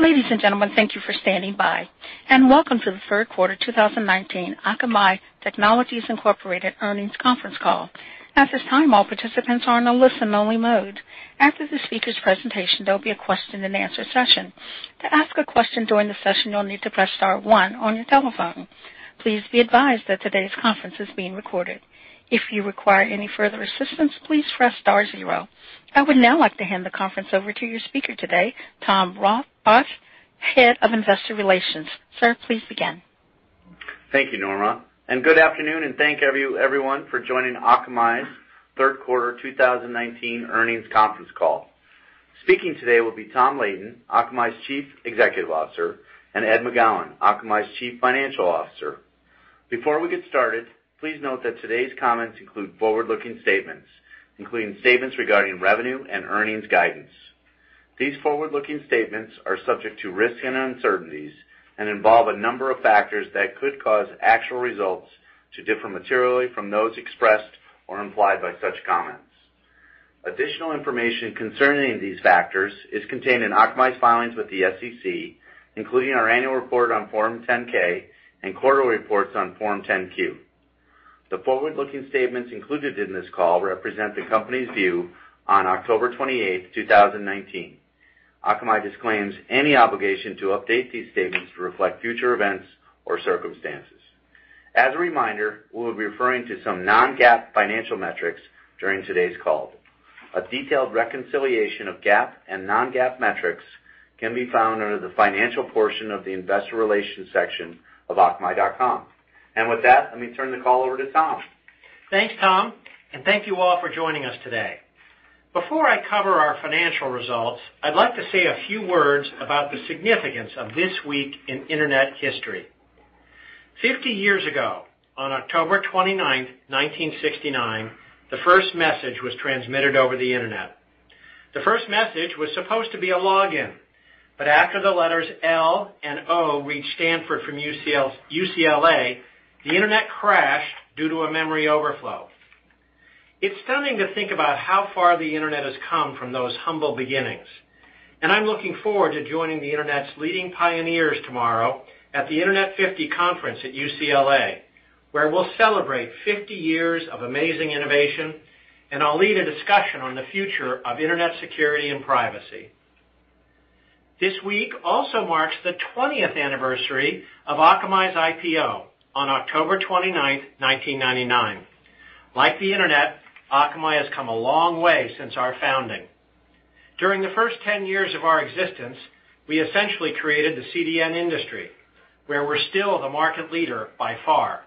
Ladies and gentlemen, thank you for standing by, and welcome to the third quarter 2019 Akamai Technologies, Inc. earnings conference call. At this time, all participants are in a listen-only mode. After the speakers' presentation, there will be a question-and-answer session. To ask a question during the session, you'll need to press star one on your telephone. Please be advised that today's conference is being recorded. If you require any further assistance, please press star zero. I would now like to hand the conference over to your speaker today, Tom Barth, head of investor relations. Sir, please begin. Thank you, Norma. Good afternoon, and thank you, everyone, for joining Akamai's third quarter 2019 earnings conference call. Speaking today will be Tom Leighton, Akamai's Chief Executive Officer, and Ed McGowan, Akamai's Chief Financial Officer. Before we get started, please note that today's comments include forward-looking statements, including statements regarding revenue and earnings guidance. These forward-looking statements are subject to risks and uncertainties and involve a number of factors that could cause actual results to differ materially from those expressed or implied by such comments. Additional information concerning these factors is contained in Akamai's filings with the SEC, including our annual report on Form 10-K and quarterly reports on Form 10-Q. The forward-looking statements included in this call represent the company's view on October 28th, 2019. Akamai disclaims any obligation to update these statements to reflect future events or circumstances. As a reminder, we will be referring to some non-GAAP financial metrics during today's call. A detailed reconciliation of GAAP and non-GAAP metrics can be found under the financial portion of the investor relations section of akamai.com. With that, let me turn the call over to Tom. Thanks, Tom. Thank you all for joining us today. Before I cover our financial results, I'd like to say a few words about the significance of this week in internet history. 50 years ago, on October 29th, 1969, the first message was transmitted over the internet. The first message was supposed to be a login. After the letters L and O reached Stanford from UCLA, the internet crashed due to a memory overflow. It's stunning to think about how far the internet has come from those humble beginnings, and I'm looking forward to joining the internet's leading pioneers tomorrow at the Internet 50 conference at UCLA, where we'll celebrate 50 years of amazing innovation, and I'll lead a discussion on the future of internet security and privacy. This week also marks the 20th anniversary of Akamai's IPO on October 29th, 1999. Like the internet, Akamai has come a long way since our founding. During the first 10 years of our existence, we essentially created the CDN industry, where we're still the market leader by far.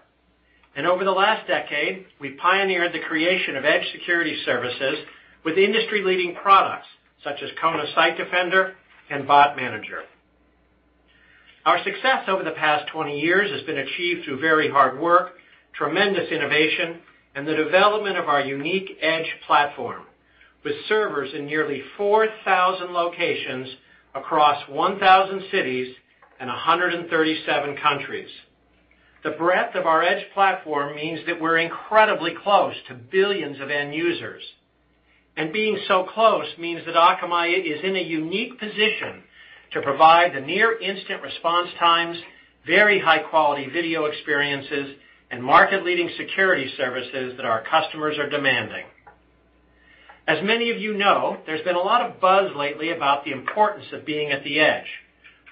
Over the last decade, we pioneered the creation of edge security services with industry-leading products, such as Kona Site Defender and Bot Manager. Our success over the past 20 years has been achieved through very hard work, tremendous innovation, and the development of our unique edge platform, with servers in nearly 4,000 locations across 1,000 cities and 137 countries. The breadth of our edge platform means that we're incredibly close to billions of end users. Being so close means that Akamai is in a unique position to provide the near-instant response times, very high-quality video experiences, and market-leading security services that our customers are demanding. As many of you know, there's been a lot of buzz lately about the importance of being at the edge.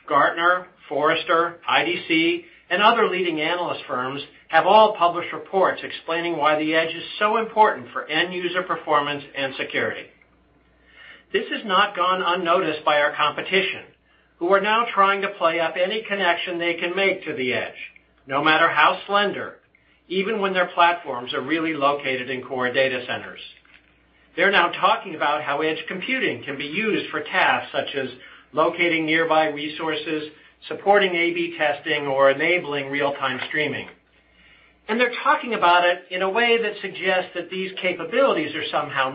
Gartner, Forrester, IDC, and other leading analyst firms have all published reports explaining why the edge is so important for end-user performance and security. This has not gone unnoticed by our competition, who are now trying to play up any connection they can make to the edge, no matter how slender, even when their platforms are really located in core data centers. They're now talking about how edge computing can be used for tasks such as locating nearby resources, supporting A/B testing, or enabling real-time streaming. They're talking about it in a way that suggests that these capabilities are somehow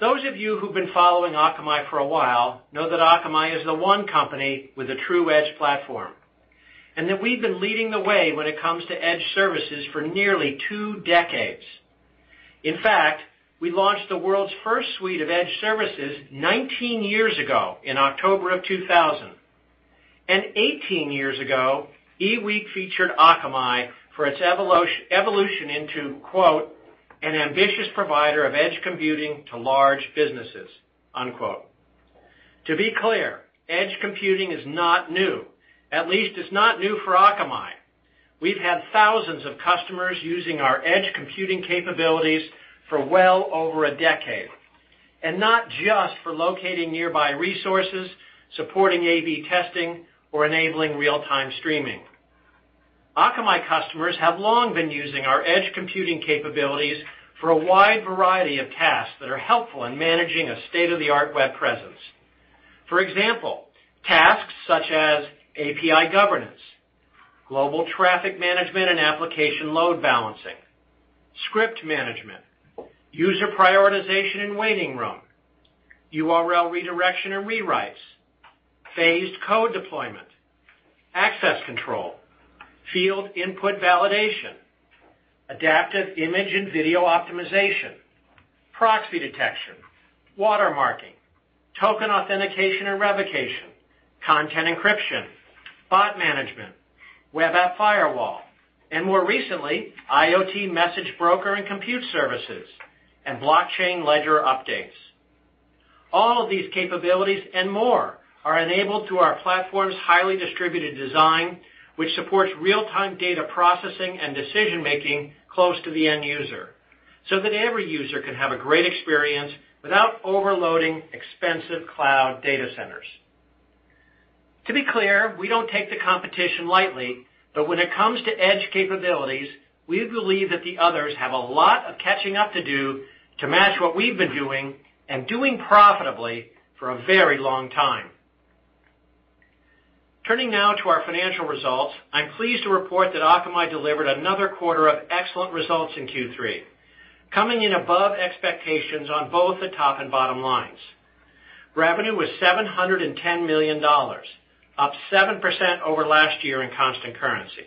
novel. Those of you who've been following Akamai for a while know that Akamai is the one company with a true edge platform, and that we've been leading the way when it comes to edge services for nearly two decades. In fact, we launched the world's first suite of edge services 19 years ago in October of 2000. 18 years ago, eWeek featured Akamai for its evolution into, quote, "an ambitious provider of edge computing to large businesses," unquote. To be clear, edge computing is not new. At least it's not new for Akamai. We've had thousands of customers using our edge computing capabilities for well over a decade, and not just for locating nearby resources, supporting A/B testing, or enabling real-time streaming. Akamai customers have long been using our edge computing capabilities for a wide variety of tasks that are helpful in managing a state-of-the-art web presence. For example, tasks such as API governance, global traffic management and application load balancing, script management, user prioritization and waiting room, URL redirection and rewrites, phased code deployment, access control, field input validation, Adaptive image and video optimization, proxy detection, watermarking, token authentication and revocation, content encryption, bot management, web app firewall, and more recently, IoT message broker and compute services and blockchain ledger updates. All of these capabilities and more are enabled through our platform's highly distributed design, which supports real-time data processing and decision-making close to the end user, so that every user can have a great experience without overloading expensive cloud data centers. To be clear, we don't take the competition lightly, but when it comes to edge capabilities, we believe that the others have a lot of catching up to do to match what we've been doing, and doing profitably, for a very long time. Turning now to our financial results, I'm pleased to report that Akamai delivered another quarter of excellent results in Q3, coming in above expectations on both the top and bottom lines. Revenue was $710 million, up 7% over last year in constant currency.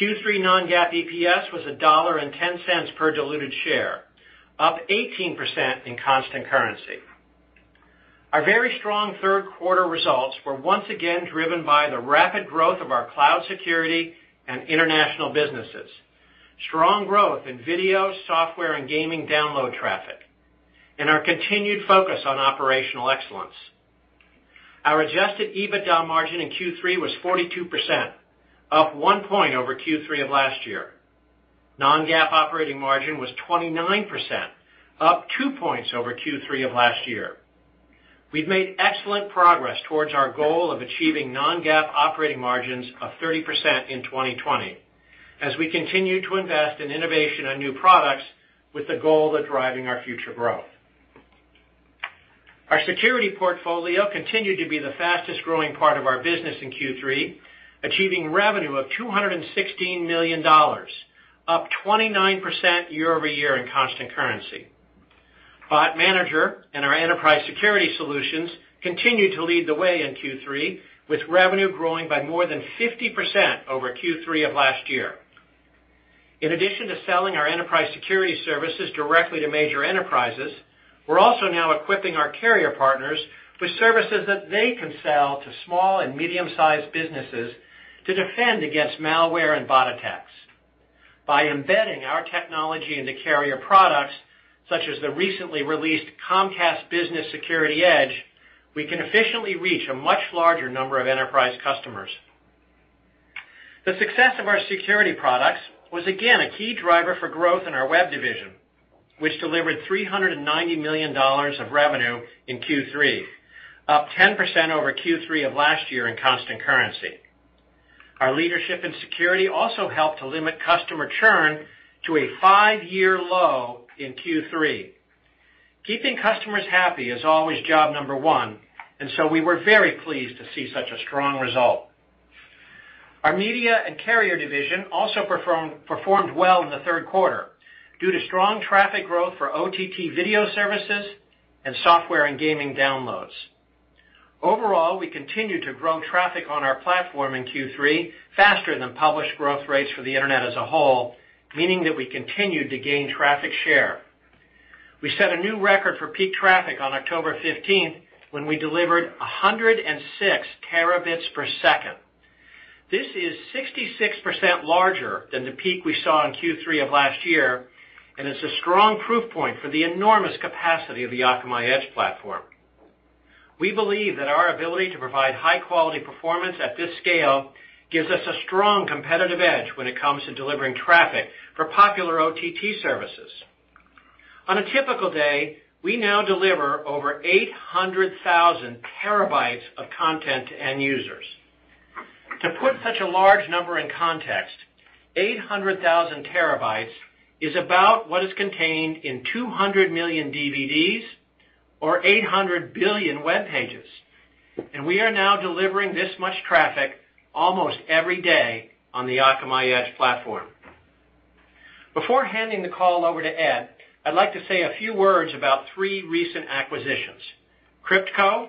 Q3 non-GAAP EPS was $1.10 per diluted share, up 18% in constant currency. Our very strong third quarter results were once again driven by the rapid growth of our cloud security and international businesses, strong growth in video, software, and gaming download traffic, and our continued focus on operational excellence. Our adjusted EBITDA margin in Q3 was 42%, up one point over Q3 of last year. Non-GAAP operating margin was 29%, up two points over Q3 of last year. We've made excellent progress towards our goal of achieving non-GAAP operating margins of 30% in 2020, as we continue to invest in innovation on new products with the goal of driving our future growth. Our security portfolio continued to be the fastest-growing part of our business in Q3, achieving revenue of $216 million, up 29% year-over-year in constant currency. Bot Manager and our enterprise security solutions continued to lead the way in Q3, with revenue growing by more than 50% over Q3 of last year. In addition to selling our enterprise security services directly to major enterprises, we're also now equipping our carrier partners with services that they can sell to small and medium-sized businesses to defend against malware and bot attacks. By embedding our technology into carrier products, such as the recently released Comcast Business SecurityEdge, we can efficiently reach a much larger number of enterprise customers. The success of our security products was again a key driver for growth in our web division, which delivered $390 million of revenue in Q3, up 10% over Q3 of last year in constant currency. Our leadership in security also helped to limit customer churn to a five-year low in Q3. Keeping customers happy is always job number one, and so we were very pleased to see such a strong result. Our media and carrier division also performed well in the third quarter due to strong traffic growth for OTT video services and software and gaming downloads. Overall, we continued to grow traffic on our platform in Q3 faster than published growth rates for the Internet as a whole, meaning that we continued to gain traffic share. We set a new record for peak traffic on October 15th, when we delivered 106 terabits per second. This is 66% larger than the peak we saw in Q3 of last year, and it's a strong proof point for the enormous capacity of the Akamai Intelligent Edge Platform. We believe that our ability to provide high-quality performance at this scale gives us a strong competitive edge when it comes to delivering traffic for popular OTT services. On a typical day, we now deliver over 800,000 terabytes of content to end users. To put such a large number in context, 800,000 terabytes is about what is contained in 200 million DVDs or 800 billion web pages, and we are now delivering this much traffic almost every day on the Akamai Edge Platform. Before handing the call over to Ed, I'd like to say a few words about three recent acquisitions, KryptCo,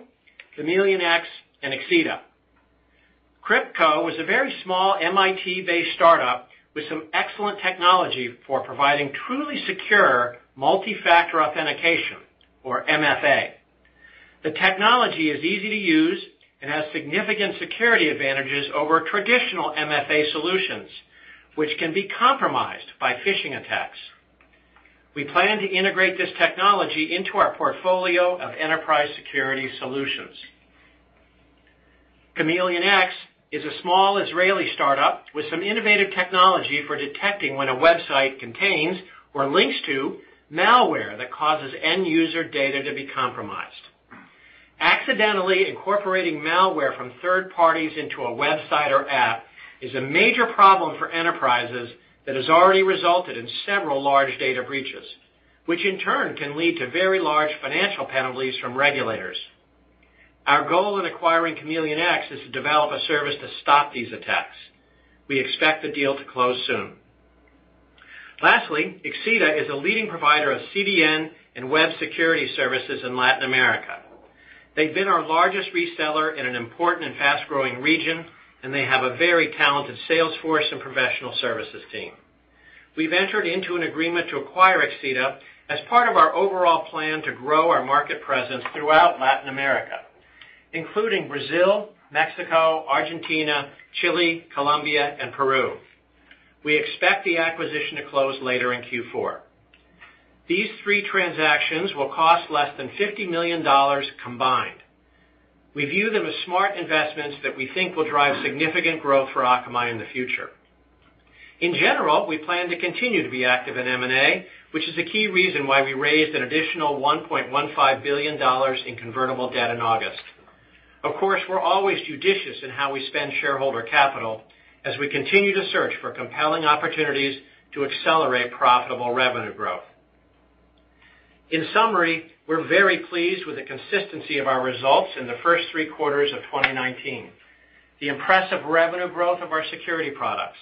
ChameleonX, and Exceda. KryptCo is a very small MIT-based startup with some excellent technology for providing truly secure multi-factor authentication, or MFA. The technology is easy to use and has significant security advantages over traditional MFA solutions, which can be compromised by phishing attacks. We plan to integrate this technology into our portfolio of enterprise security solutions. ChameleonX is a small Israeli startup with some innovative technology for detecting when a website contains or links to malware that causes end-user data to be compromised. Accidentally incorporating malware from third parties into a website or app is a major problem for enterprises that has already resulted in several large data breaches, which in turn can lead to very large financial penalties from regulators. Our goal in acquiring ChameleonX is to develop a service to stop these attacks. We expect the deal to close soon. Lastly, Exceda is a leading provider of CDN and web security services in Latin America. They've been our largest reseller in an important and fast-growing region, and they have a very talented sales force and professional services team. We've entered into an agreement to acquire Exceda as part of our overall plan to grow our market presence throughout Latin America, including Brazil, Mexico, Argentina, Chile, Colombia, and Peru. We expect the acquisition to close later in Q4. These three transactions will cost less than $50 million combined. We view them as smart investments that we think will drive significant growth for Akamai in the future. In general, we plan to continue to be active in M&A, which is a key reason why we raised an additional $1.15 billion in convertible debt in August. Of course, we're always judicious in how we spend shareholder capital as we continue to search for compelling opportunities to accelerate profitable revenue growth. In summary, we're very pleased with the consistency of our results in the first three quarters of 2019. The impressive revenue growth of our security products,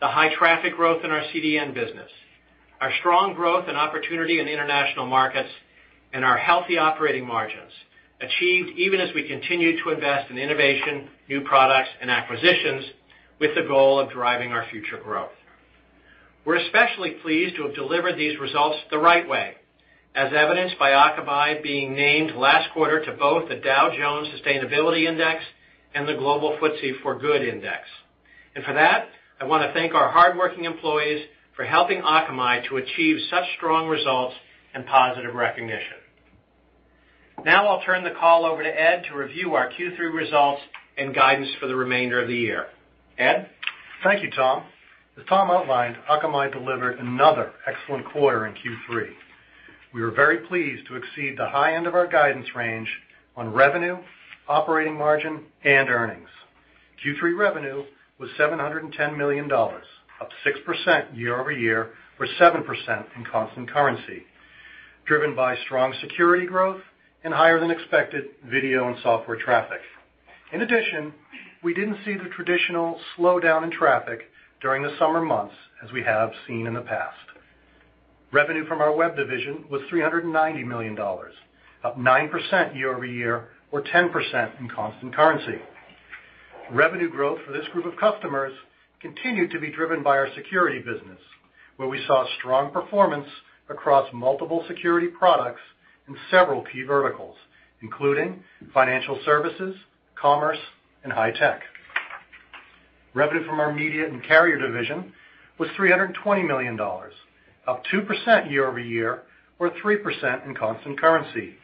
the high traffic growth in our CDN business, our strong growth and opportunity in the international markets, and our healthy operating margins, achieved even as we continue to invest in innovation, new products, and acquisitions with the goal of driving our future growth. We're especially pleased to have delivered these results the right way, as evidenced by Akamai being named last quarter to both the Dow Jones Sustainability Index and the FTSE4Good Global Index. For that, I want to thank our hardworking employees for helping Akamai to achieve such strong results and positive recognition. Now I'll turn the call over to Ed to review our Q3 results and guidance for the remainder of the year. Ed? Thank you, Tom. As Tom outlined, Akamai delivered another excellent quarter in Q3. We were very pleased to exceed the high end of our guidance range on revenue, operating margin, and earnings. Q3 revenue was $710 million, up 6% year-over-year, or 7% in constant currency, driven by strong security growth and higher than expected video and software traffic. In addition, we didn't see the traditional slowdown in traffic during the summer months as we have seen in the past. Revenue from our web division was $390 million, up 9% year-over-year, or 10% in constant currency. Revenue growth for this group of customers continued to be driven by our security business, where we saw strong performance across multiple security products in several key verticals, including financial services, commerce, and high tech. Revenue from our media and carrier division was $320 million, up 2% year-over-year, or 3% in constant currency.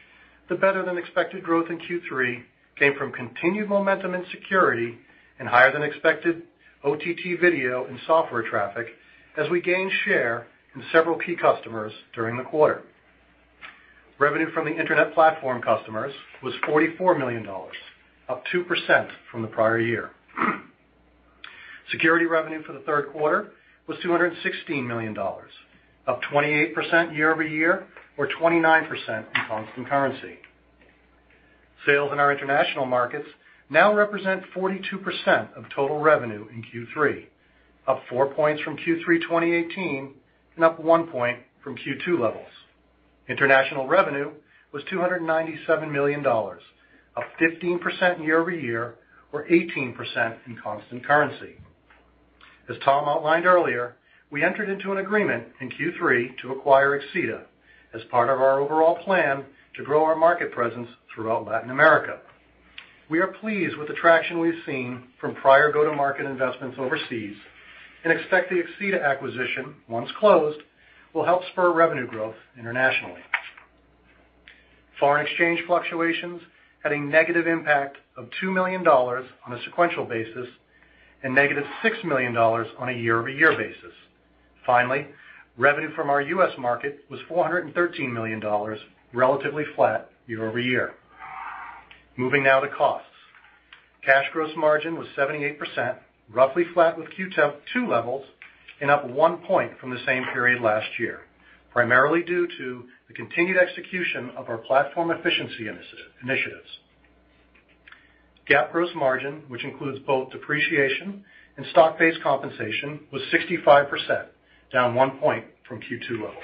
The better-than-expected growth in Q3 came from continued momentum in security and higher than expected OTT video and software traffic as we gained share from several key customers during the quarter. Revenue from the internet platform customers was $44 million, up 2% from the prior year. Security revenue for the third quarter was $216 million, up 28% year-over-year, or 29% in constant currency. Sales in our international markets now represent 42% of total revenue in Q3, up four points from Q3 2018 and up one point from Q2 levels. International revenue was $297 million, up 15% year-over-year, or 18% in constant currency. As Tom outlined earlier, we entered into an agreement in Q3 to acquire Exceda as part of our overall plan to grow our market presence throughout Latin America. We are pleased with the traction we've seen from prior go-to-market investments overseas and expect the Exceda acquisition, once closed, will help spur revenue growth internationally. Foreign exchange fluctuations had a negative impact of $2 million on a sequential basis and negative $6 million on a year-over-year basis. Finally, revenue from our U.S. market was $413 million, relatively flat year-over-year. Moving now to costs. Cash gross margin was 78%, roughly flat with Q2 levels, and up one point from the same period last year, primarily due to the continued execution of our platform efficiency initiatives. GAAP gross margin, which includes both depreciation and stock-based compensation, was 65%, down one point from Q2 levels.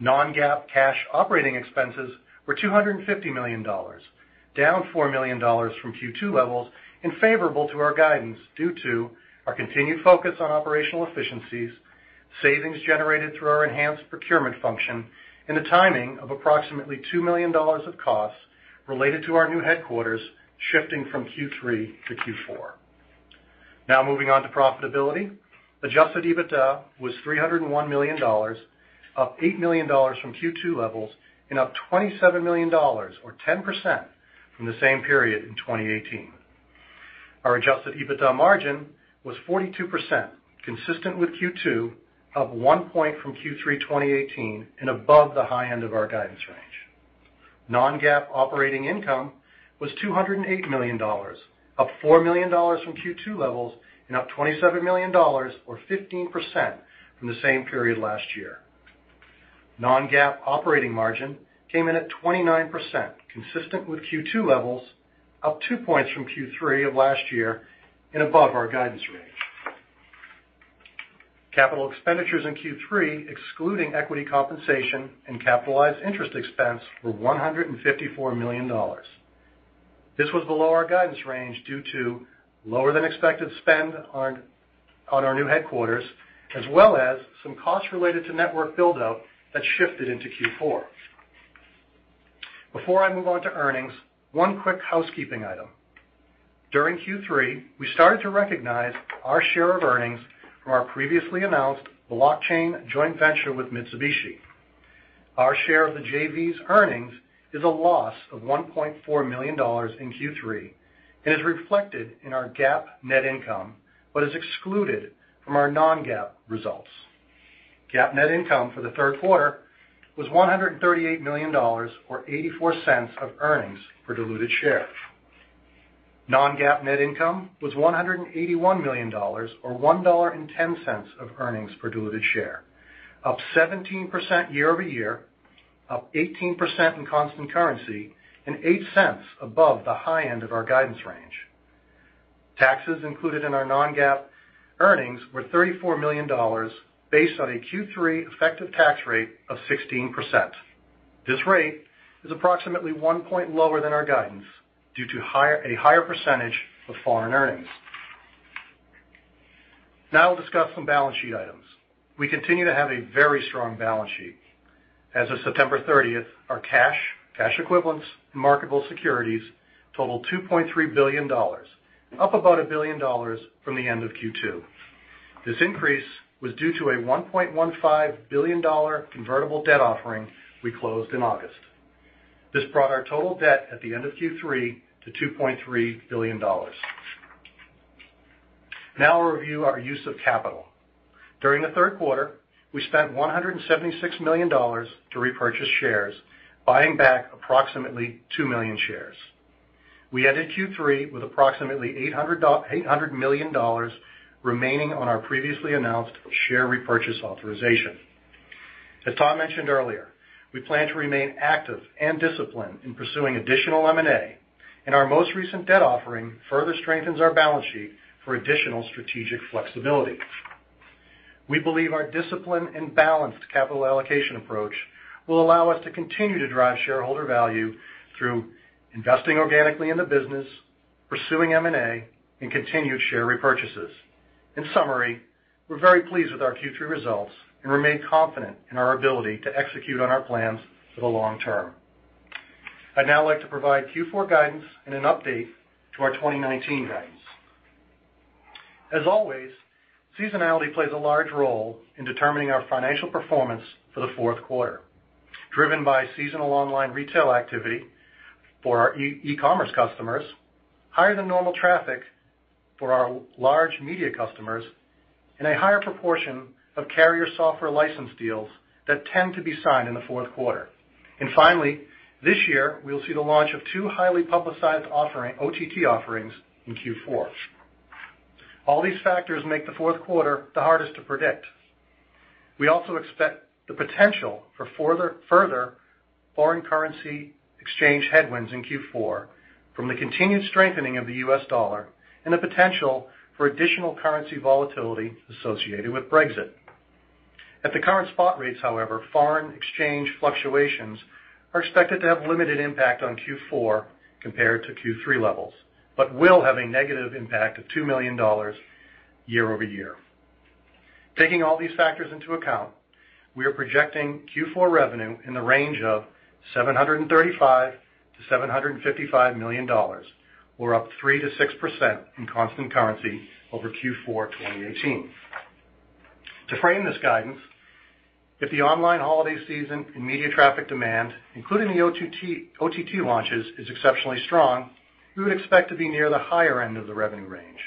Non-GAAP cash operating expenses were $250 million, down $4 million from Q2 levels, and favorable to our guidance due to our continued focus on operational efficiencies, savings generated through our enhanced procurement function, and the timing of approximately $2 million of costs related to our new headquarters shifting from Q3 to Q4. Moving on to profitability. Adjusted EBITDA was $301 million, up $8 million from Q2 levels and up $27 million or 10% from the same period in 2018. Our adjusted EBITDA margin was 42%, consistent with Q2, up one point from Q3 2018, and above the high end of our guidance range. Non-GAAP operating income was $208 million, up $4 million from Q2 levels and up $27 million or 15% from the same period last year. Non-GAAP operating margin came in at 29%, consistent with Q2 levels, up two points from Q3 of last year and above our guidance range. Capital expenditures in Q3, excluding equity compensation and capitalized interest expense, were $154 million. This was below our guidance range due to lower than expected spend on our new headquarters, as well as some costs related to network build-out that shifted into Q4. Before I move on to earnings, one quick housekeeping item. During Q3, we started to recognize our share of earnings from our previously announced blockchain joint venture with Mitsubishi UFJ Financial Group. Our share of the JV's earnings is a loss of $1.4 million in Q3, and is reflected in our GAAP net income, but is excluded from our non-GAAP results. GAAP net income for the third quarter was $138 million or $0.84 of earnings per diluted share. non-GAAP net income was $181 million or $1.10 of earnings per diluted share, up 17% year-over-year, up 18% in constant currency, and $0.08 above the high end of our guidance range. Taxes included in our non-GAAP earnings were $34 million based on a Q3 effective tax rate of 16%. This rate is approximately one point lower than our guidance due to a higher percentage of foreign earnings. Now I'll discuss some balance sheet items. We continue to have a very strong balance sheet. As of September 30th, our cash equivalents, marketable securities totaled $2.3 billion, up about $1 billion from the end of Q2. This increase was due to a $1.15 billion convertible debt offering we closed in August. This brought our total debt at the end of Q3 to $2.3 billion. Now I'll review our use of capital. During the third quarter, we spent $176 million to repurchase shares, buying back approximately two million shares. We ended Q3 with approximately $800 million remaining on our previously announced share repurchase authorization. As Tom mentioned earlier, we plan to remain active and disciplined in pursuing additional M&A, and our most recent debt offering further strengthens our balance sheet for additional strategic flexibility. We believe our disciplined and balanced capital allocation approach will allow us to continue to drive shareholder value through investing organically in the business, pursuing M&A, and continued share repurchases. In summary, we're very pleased with our Q3 results and remain confident in our ability to execute on our plans for the long term. I'd now like to provide Q4 guidance and an update to our 2019 guidance. As always, seasonality plays a large role in determining our financial performance for the fourth quarter, driven by seasonal online retail activity for our e-commerce customers, higher than normal traffic for our large media customers, and a higher proportion of carrier software license deals that tend to be signed in the fourth quarter. Finally, this year, we'll see the launch of two highly publicized OTT offerings in Q4. All these factors make the fourth quarter the hardest to predict. We also expect the potential for further foreign currency exchange headwinds in Q4 from the continued strengthening of the U.S. dollar and the potential for additional currency volatility associated with Brexit. At the current spot rates, however, foreign exchange fluctuations are expected to have limited impact on Q4 compared to Q3 levels, but will have a negative impact of $2 million year-over-year. Taking all these factors into account, we are projecting Q4 revenue in the range of $735 million-$755 million, or up 3%-6% in constant currency over Q4 2018. To frame this guidance, if the online holiday season and media traffic demand, including the OTT launches, is exceptionally strong, we would expect to be near the higher end of the revenue range.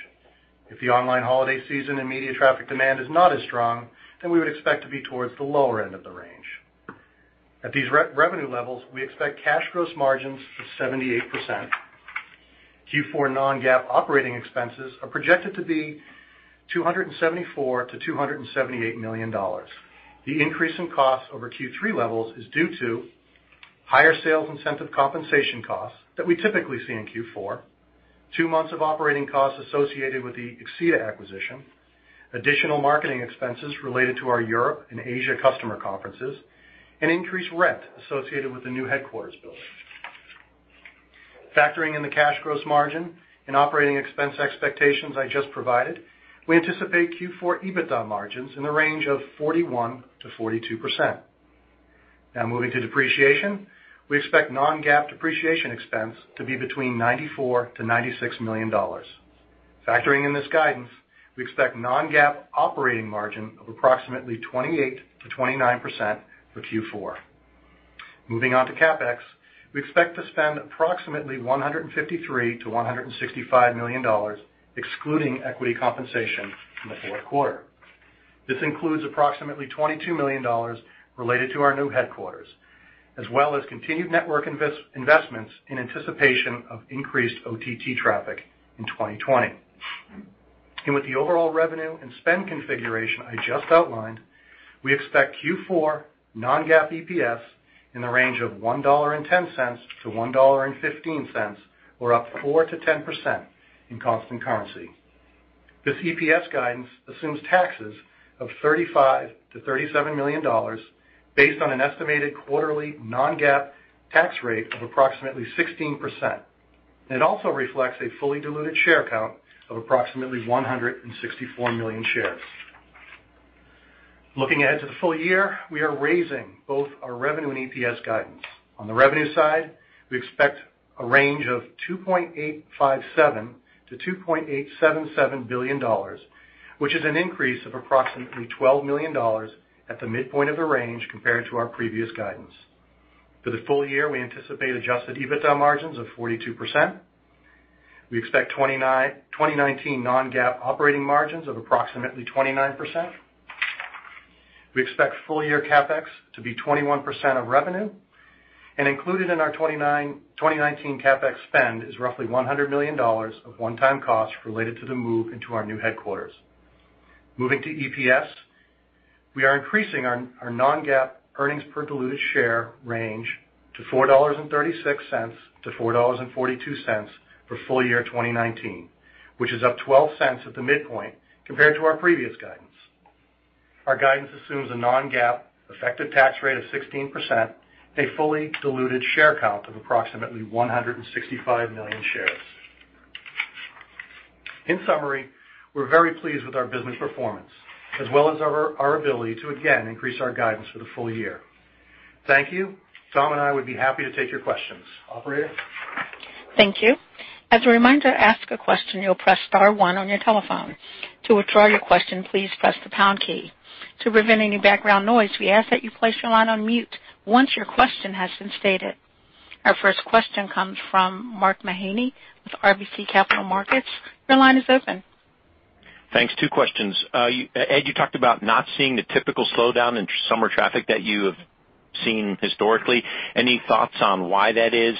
If the online holiday season and media traffic demand is not as strong, then we would expect to be towards the lower end of the range. At these revenue levels, we expect cash gross margins of 78%. Q4 non-GAAP operating expenses are projected to be $274 million-$278 million. The increase in costs over Q3 levels is due to higher sales incentive compensation costs that we typically see in Q4, two months of operating costs associated with the Exceda acquisition, additional marketing expenses related to our Europe and Asia customer conferences, and increased rent associated with the new headquarters building. Factoring in the cash gross margin and operating expense expectations I just provided, we anticipate Q4 EBITDA margins in the range of 41%-42%. Now moving to depreciation, we expect non-GAAP depreciation expense to be between $94 million-$96 million. Factoring in this guidance, we expect non-GAAP operating margin of approximately 28%-29% for Q4. Moving on to CapEx, we expect to spend approximately $153 million-$165 million excluding equity compensation in the fourth quarter. This includes approximately $22 million related to our new headquarters, as well as continued network investments in anticipation of increased OTT traffic in 2020. With the overall revenue and spend configuration I just outlined, we expect Q4 non-GAAP EPS in the range of $1.10 to $1.15, or up 4%-10% in constant currency. This EPS guidance assumes taxes of $35 million to $37 million based on an estimated quarterly non-GAAP tax rate of approximately 16%. It also reflects a fully diluted share count of approximately 164 million shares. Looking ahead to the full year, we are raising both our revenue and EPS guidance. On the revenue side, we expect a range of $2.857 billion to $2.877 billion, which is an increase of approximately $12 million at the midpoint of the range compared to our previous guidance. For the full year, we anticipate adjusted EBITDA margins of 42%. We expect 2019 non-GAAP operating margins of approximately 29%. We expect full year CapEx to be 21% of revenue. Included in our 2019 CapEx spend is roughly $100 million of one-time costs related to the move into our new headquarters. Moving to EPS, we are increasing our non-GAAP earnings per diluted share range to $4.36-$4.42 for full year 2019, which is up $0.12 at the midpoint compared to our previous guidance. Our guidance assumes a non-GAAP effective tax rate of 16%, a fully diluted share count of approximately 165 million shares. In summary, we're very pleased with our business performance, as well as our ability to, again, increase our guidance for the full year. Thank you. Tom and I would be happy to take your questions. Operator? Thank you. As a reminder, to ask a question, you'll press star one on your telephone. To withdraw your question, please press the pound key. To prevent any background noise, we ask that you place your line on mute once your question has been stated. Our first question comes from Mark Mahaney with RBC Capital Markets. Your line is open. Thanks. Two questions. Ed, you talked about not seeing the typical slowdown in summer traffic that you have seen historically. Any thoughts on why that is?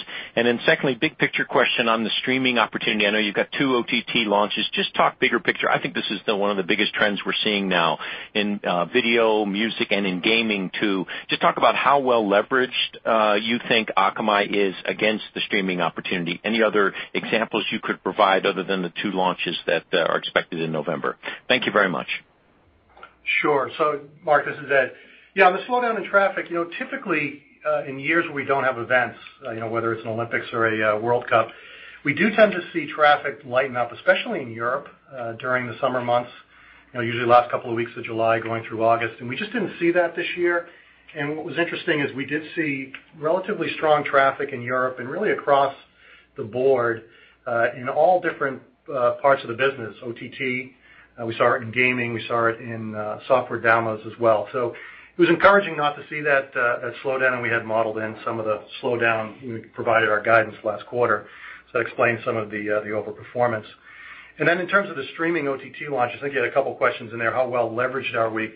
Secondly, big picture question on the streaming opportunity. I know you've got two OTT launches. Talk bigger picture. I think this is one of the biggest trends we're seeing now in video, music, and in gaming too. Talk about how well-leveraged you think Akamai is against the streaming opportunity. Any other examples you could provide other than the two launches that are expected in November? Thank you very much. Sure. Mark, this is Ed. The slowdown in traffic, typically, in years where we don't have events, whether it's an Olympics or a World Cup, we do tend to see traffic lighten up, especially in Europe, during the summer months, usually the last couple of weeks of July going through August. We just didn't see that this year. What was interesting is we did see relatively strong traffic in Europe and really across the board, in all different parts of the business, OTT, we saw it in gaming, we saw it in software downloads as well. It was encouraging not to see that slowdown, and we had modeled in some of the slowdown when we provided our guidance last quarter. That explains some of the over-performance. In terms of the streaming OTT launches, I think you had a couple of questions in there, how well-leveraged are we?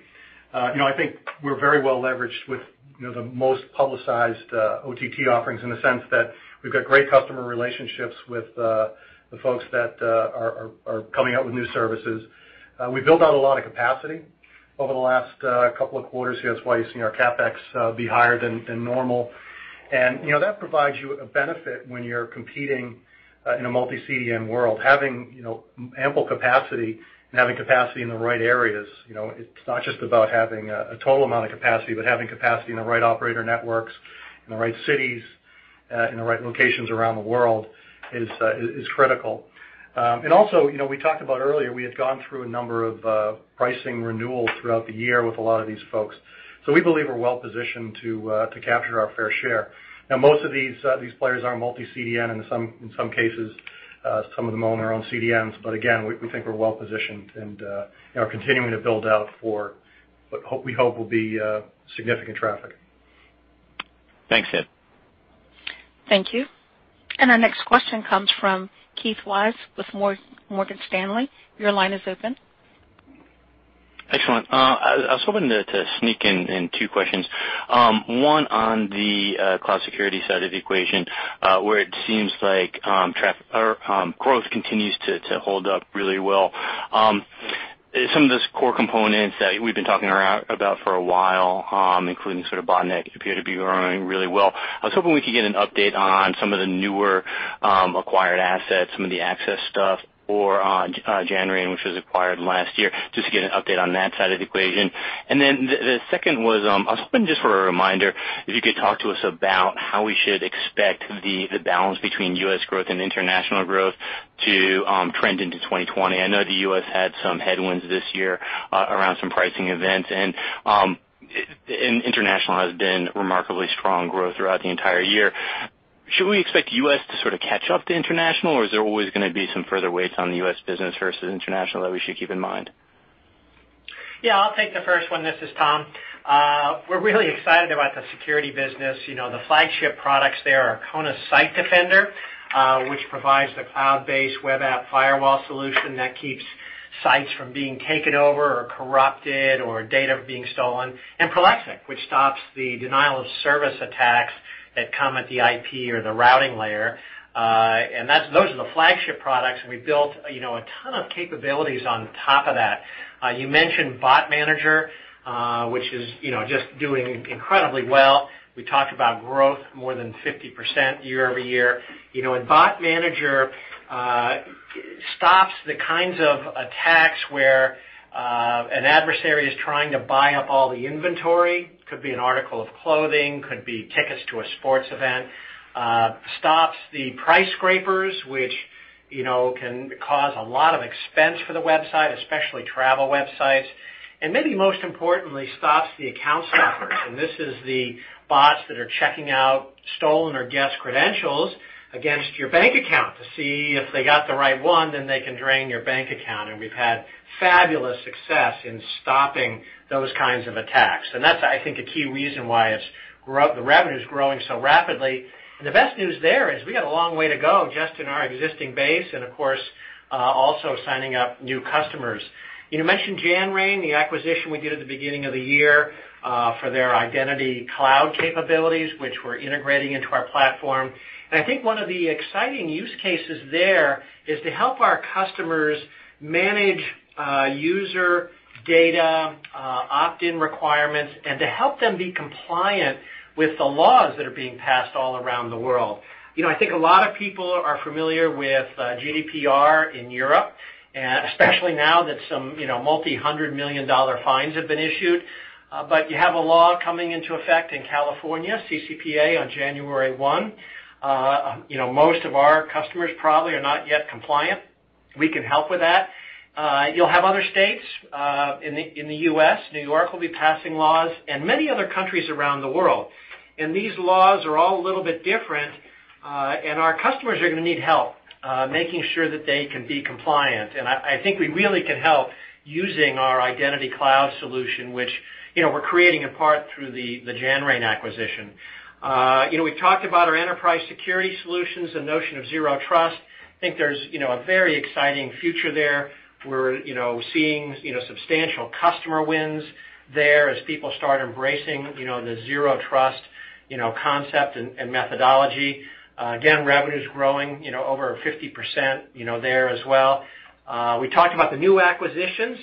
I think we're very well-leveraged with the most publicized OTT offerings in the sense that we've got great customer relationships with the folks that are coming out with new services. We built out a lot of capacity over the last couple of quarters here. That's why you've seen our CapEx be higher than normal. That provides you a benefit when you're competing in a multi-CDN world. Having ample capacity and having capacity in the right areas. It's not just about having a total amount of capacity, but having capacity in the right operator networks, in the right cities, in the right locations around the world is critical. Also we talked about earlier, we had gone through a number of pricing renewals throughout the year with a lot of these folks. We believe we're well-positioned to capture our fair share. Most of these players are multi-CDN in some cases, some of them own their own CDNs. Again, we think we're well-positioned and are continuing to build out for what we hope will be significant traffic. Thanks, Ed. Thank you. Our next question comes from Keith Weiss with Morgan Stanley. Your line is open. Excellent. I was hoping to sneak in two questions. One on the cloud security side of the equation, where it seems like growth continues to hold up really well. Some of those core components that we've been talking about for a while, including sort of Bot Manager, appear to be running really well. I was hoping we could get an update on some of the newer acquired assets, some of the access stuff, or Janrain, which was acquired last year, just to get an update on that side of the equation. The second was, I was hoping just for a reminder, if you could talk to us about how we should expect the balance between U.S. growth and international growth to trend into 2020. I know the U.S. had some headwinds this year around some pricing events, and international has been remarkably strong growth throughout the entire year. Should we expect U.S. to sort of catch up to international, or is there always going to be some further weights on the U.S. business versus international that we should keep in mind? Yeah, I'll take the first one. This is Tom. We're really excited about the security business. The flagship products there are Kona Site Defender, which provides the cloud-based web app firewall solution that keeps sites from being taken over or corrupted or data being stolen, and Prolexic, which stops the denial-of-service attacks that come at the IP or the routing layer, and those are the flagship products, and we built a ton of capabilities on top of that. You mentioned Bot Manager, which is just doing incredibly well. We talked about growth more than 50% year-over-year. Bot Manager stops the kinds of attacks where an adversary is trying to buy up all the inventory. Could be an article of clothing, could be tickets to a sports event. Stops the price scrapers, which can cause a lot of expense for the website, especially travel websites. Maybe most importantly, stops the account sniffers. This is the bots that are checking out stolen or guest credentials against your bank account to see if they got the right one, then they can drain your bank account. We've had fabulous success in stopping those kinds of attacks. That's, I think, a key reason why the revenue's growing so rapidly. The best news there is we got a long way to go just in our existing base and, of course, also signing up new customers. You mentioned Janrain, the acquisition we did at the beginning of the year, for their identity cloud capabilities, which we're integrating into our platform. I think one of the exciting use cases there is to help our customers manage user data opt-in requirements and to help them be compliant with the laws that are being passed all around the world. I think a lot of people are familiar with GDPR in Europe, especially now that some $multi-hundred million fines have been issued. You have a law coming into effect in California, CCPA, on January 1. Most of our customers probably are not yet compliant. We can help with that. You'll have other states in the U.S., New York will be passing laws, and many other countries around the world. These laws are all a little bit different, and our customers are going to need help making sure that they can be compliant. I think we really can help using our identity cloud solution, which we're creating in part through the Janrain acquisition. We've talked about our enterprise security solutions and notion of zero trust. I think there's a very exciting future there. We're seeing substantial customer wins there as people start embracing the zero trust concept and methodology. Again, revenue's growing over 50% there as well. We talked about the new acquisitions.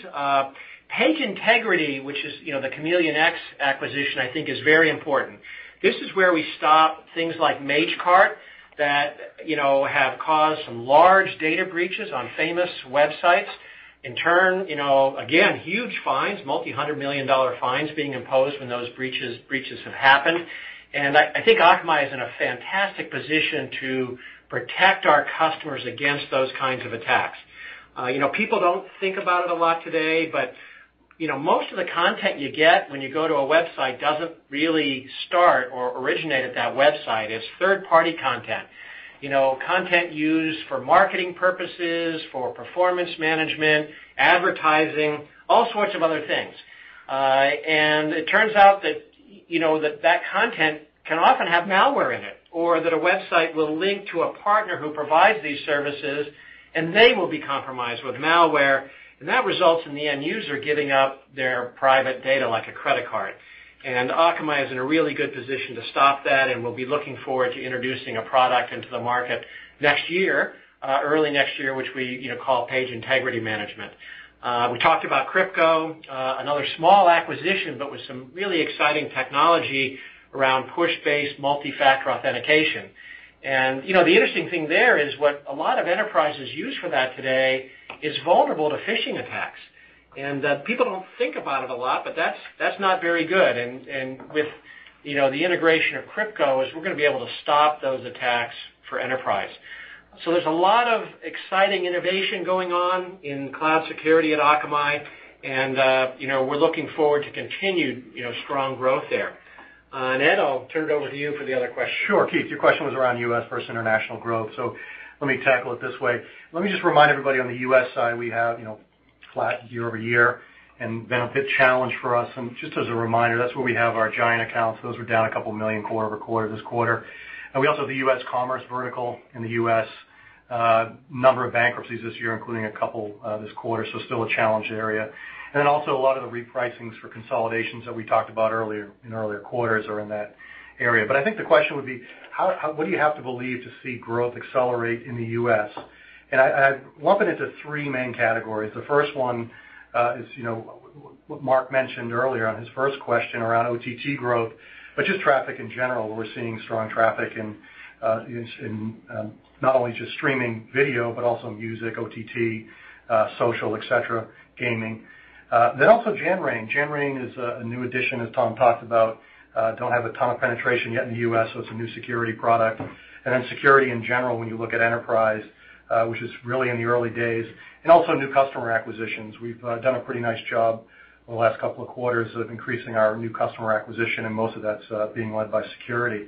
Page Integrity, which is the ChameleonX acquisition, I think is very important. This is where we stop things like Magecart that have caused some large data breaches on famous websites. In turn, again, huge fines, multi-hundred million dollar fines being imposed when those breaches have happened. I think Akamai is in a fantastic position to protect our customers against those kinds of attacks. People don't think about it a lot today, but most of the content you get when you go to a website doesn't really start or originate at that website. It's third-party content. Content used for marketing purposes, for performance management, advertising, all sorts of other things. It turns out that that content can often have malware in it, or that a website will link to a partner who provides these services, and they will be compromised with malware. That results in the end user giving up their private data, like a credit card. Akamai is in a really good position to stop that, and we'll be looking forward to introducing a product into the market next year, early next year, which we call Page Integrity Manager. We talked about KryptCo, another small acquisition, but with some really exciting technology around push-based multi-factor authentication. The interesting thing there is what a lot of enterprises use for that today is vulnerable to phishing attacks. People don't think about it a lot, but that's not very good. With the integration of KryptCo, is we're going to be able to stop those attacks for enterprise. There's a lot of exciting innovation going on in cloud security at Akamai, and we're looking forward to continued strong growth there. Ed, I'll turn it over to you for the other question. Sure, Keith. Your question was around U.S. versus international growth. Let me tackle it this way. Let me just remind everybody on the U.S. side, we have flat year-over-year and been a bit challenged for us. Just as a reminder, that's where we have our giant accounts. Those were down a couple million quarter-over-quarter this quarter. We also have the U.S. commerce vertical in the U.S. A number of bankruptcies this year, including a couple this quarter. Still a challenged area. Also a lot of the repricings for consolidations that we talked about in earlier quarters are in that area. I think the question would be, what do you have to believe to see growth accelerate in the U.S.? I lump it into three main categories. The first one is what Mark mentioned earlier on his first question around OTT growth, but just traffic in general. We're seeing strong traffic in not only just streaming video, but also music, OTT, social, et cetera, gaming. Also Janrain. Janrain is a new addition, as Tom talked about. Don't have a ton of penetration yet in the U.S., so it's a new security product. Then security in general, when you look at enterprise, which is really in the early days. Also new customer acquisitions. We've done a pretty nice job over the last couple of quarters of increasing our new customer acquisition, and most of that's being led by security.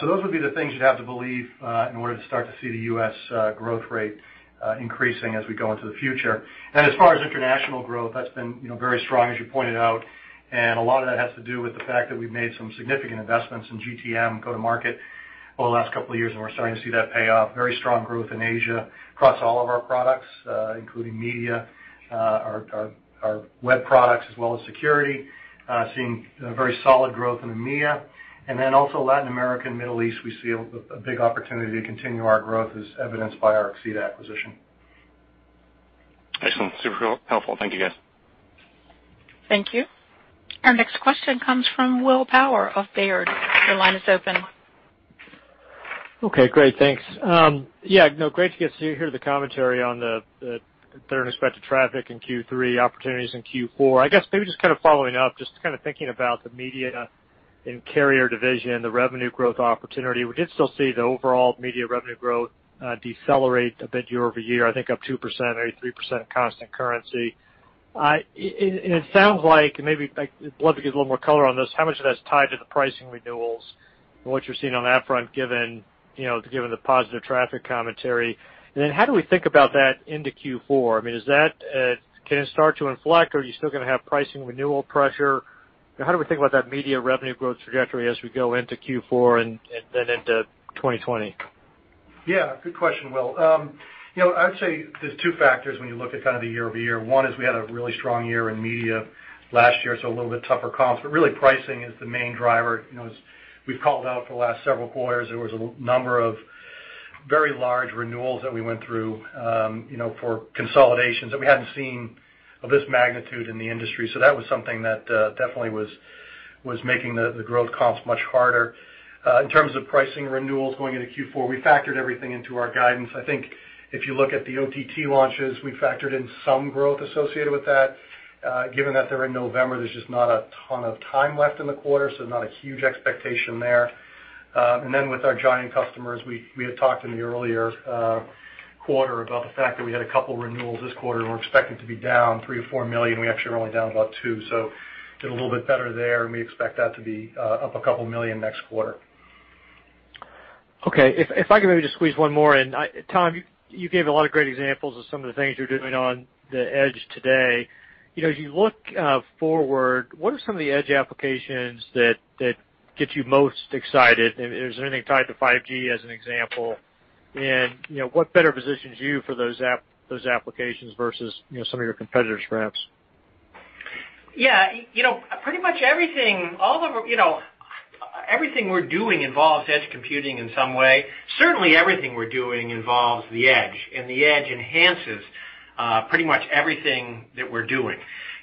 Those would be the things you'd have to believe in order to start to see the U.S. growth rate increasing as we go into the future. As far as international growth, that's been very strong, as you pointed out. A lot of that has to do with the fact that we've made some significant investments in GTM, go-to-market over the last couple of years, and we're starting to see that pay off. Very strong growth in Asia across all of our products, including media, our web products, as well as security. Seeing very solid growth in EMEA. Then also Latin America and Middle East, we see a big opportunity to continue our growth as evidenced by our Exceda acquisition. Excellent. Super helpful. Thank you, guys. Thank you. Our next question comes from Will Power of Baird. Your line is open. Okay, great. Thanks. Yeah, great to get to hear the commentary on the unexpected traffic in Q3, opportunities in Q4. I guess maybe just kind of following up, just kind of thinking about the media and carrier division, the revenue growth opportunity. We did still see the overall media revenue growth decelerate a bit year-over-year, I think up 2%, maybe 3% constant currency. It sounds like, maybe I'd love to get a little more color on this, how much of that is tied to the pricing renewals and what you're seeing on that front, given the positive traffic commentary. How do we think about that into Q4? I mean, can it start to inflect? Are you still going to have pricing renewal pressure? How do we think about that media revenue growth trajectory as we go into Q4 and then into 2020? Good question, Will. I would say there's two factors when you look at kind of the year-over-year. One is we had a really strong year in media last year, a little bit tougher comps, really pricing is the main driver. As we've called out for the last several quarters, there was a number of very large renewals that we went through for consolidations that we hadn't seen of this magnitude in the industry. That was something that definitely was making the growth comps much harder. In terms of pricing renewals going into Q4, we factored everything into our guidance. I think if you look at the OTT launches, we factored in some growth associated with that. Given that they're in November, there's just not a ton of time left in the quarter, not a huge expectation there. With our giant customers, we had talked in the earlier quarter about the fact that we had a couple renewals this quarter, and we're expecting to be down $3 million-$4 million, we actually were only down about two. Did a little bit better there, and we expect that to be up a couple million next quarter. Okay. If I could maybe just squeeze one more in. Tom, you gave a lot of great examples of some of the things you're doing on the edge today. As you look forward, what are some of the edge applications that get you most excited? Is there anything tied to 5G as an example? What better positions you for those applications versus some of your competitors, perhaps? Yeah. Pretty much everything we're doing involves edge computing in some way. Certainly, everything we're doing involves the edge, and the edge enhances pretty much everything that we're doing.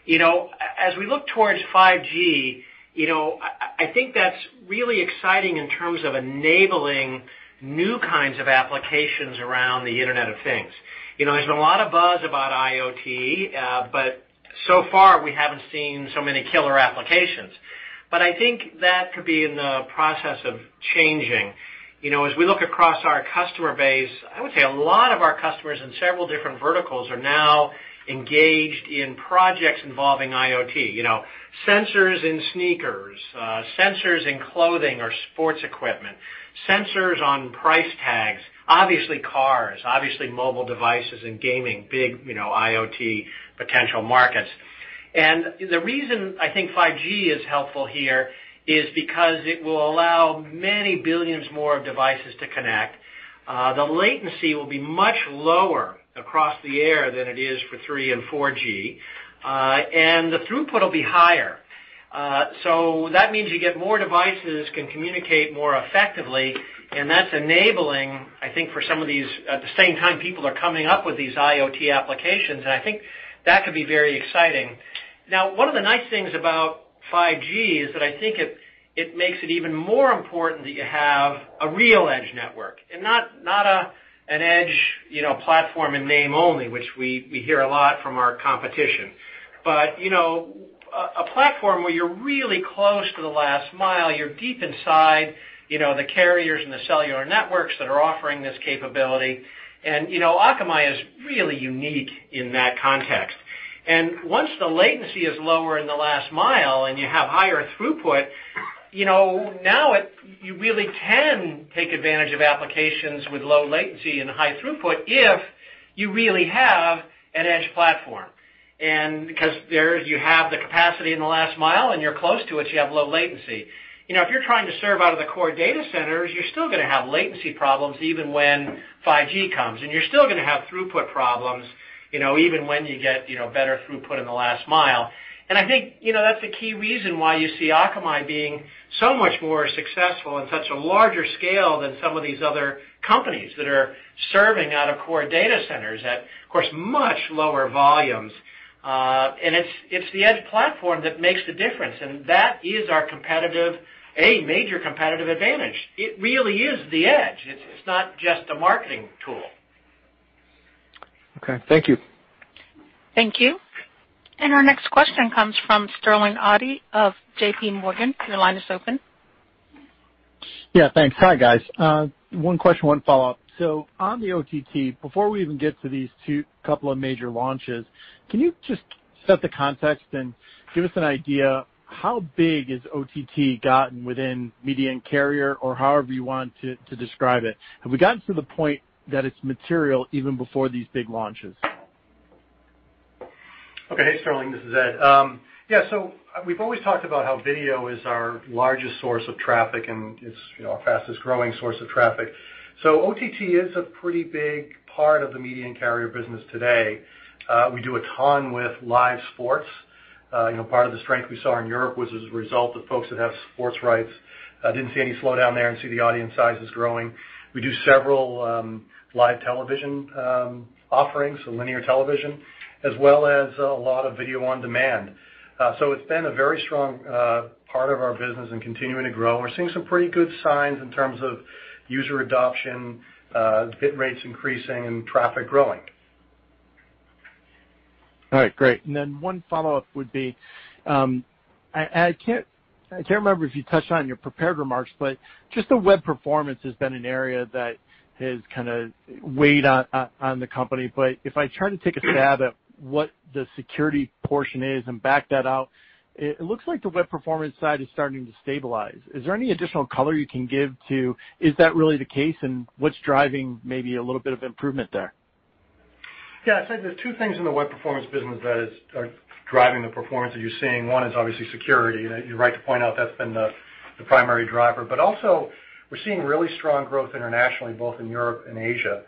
As we look towards 5G, I think that's really exciting in terms of enabling new kinds of applications around the Internet of Things. There's been a lot of buzz about IoT, but so far we haven't seen so many killer applications. I think that could be in the process of changing. As we look across our customer base, I would say a lot of our customers in several different verticals are now engaged in projects involving IoT. Sensors in sneakers, sensors in clothing or sports equipment, sensors on price tags, obviously cars, obviously mobile devices and gaming, big IoT potential markets. The reason I think 5G is helpful here is because it will allow many billions more of devices to connect. The latency will be much lower across the air than it is for 3 and 4G. The throughput will be higher. That means you get more devices can communicate more effectively, and that's enabling, at the same time, people are coming up with these IoT applications, and I think that could be very exciting. One of the nice things about 5G is that I think it makes it even more important that you have a real edge network and not an edge platform in name only, which we hear a lot from our competition. A platform where you're really close to the last mile, you're deep inside the carriers and the cellular networks that are offering this capability. Akamai is really unique in that context. Once the latency is lower in the last mile and you have higher throughput, now you really can take advantage of applications with low latency and high throughput if you really have an edge platform. Because there you have the capacity in the last mile and you're close to it, you have low latency. If you're trying to serve out of the core data centers, you're still going to have latency problems even when 5G comes. You're still going to have throughput problems, even when you get better throughput in the last mile. I think that's the key reason why you see Akamai being so much more successful in such a larger scale than some of these other companies that are serving out of core data centers at, of course, much lower volumes. It's the edge platform that makes the difference, and that is our a major competitive advantage. It really is the edge. It's not just a marketing tool. Okay. Thank you. Thank you. Our next question comes from Sterling Auty of JPMorgan. Your line is open. Yeah, thanks. Hi, guys. One question, one follow-up. On the OTT, before we even get to these two couple of major launches, can you just set the context and give us an idea how big has OTT gotten within media and carrier, or however you want to describe it? Have we gotten to the point that it's material even before these big launches? Okay. Hey, Sterling, this is Ed. Yeah, we've always talked about how video is our largest source of traffic and it's our fastest-growing source of traffic. OTT is a pretty big part of the media and carrier business today. We do a ton with live sports. Part of the strength we saw in Europe was as a result of folks that have sports rights. Didn't see any slowdown there and see the audience size is growing. We do several live television offerings, linear television, as well as a lot of video on demand. It's been a very strong part of our business and continuing to grow. We're seeing some pretty good signs in terms of user adoption, bit rates increasing, and traffic growing. All right, great. One follow-up would be, I can't remember if you touched on your prepared remarks, but just the web performance has been an area that has kind of weighed on the company, but if I try to take a stab at what the security portion is and back that out, it looks like the web performance side is starting to stabilize. Is there any additional color you can give to, is that really the case, and what's driving maybe a little bit of improvement there? Yeah, I'd say there's two things in the web performance business that are driving the performance that you're seeing. One is obviously security. You're right to point out that's been the primary driver. Also, we're seeing really strong growth internationally, both in Europe and Asia.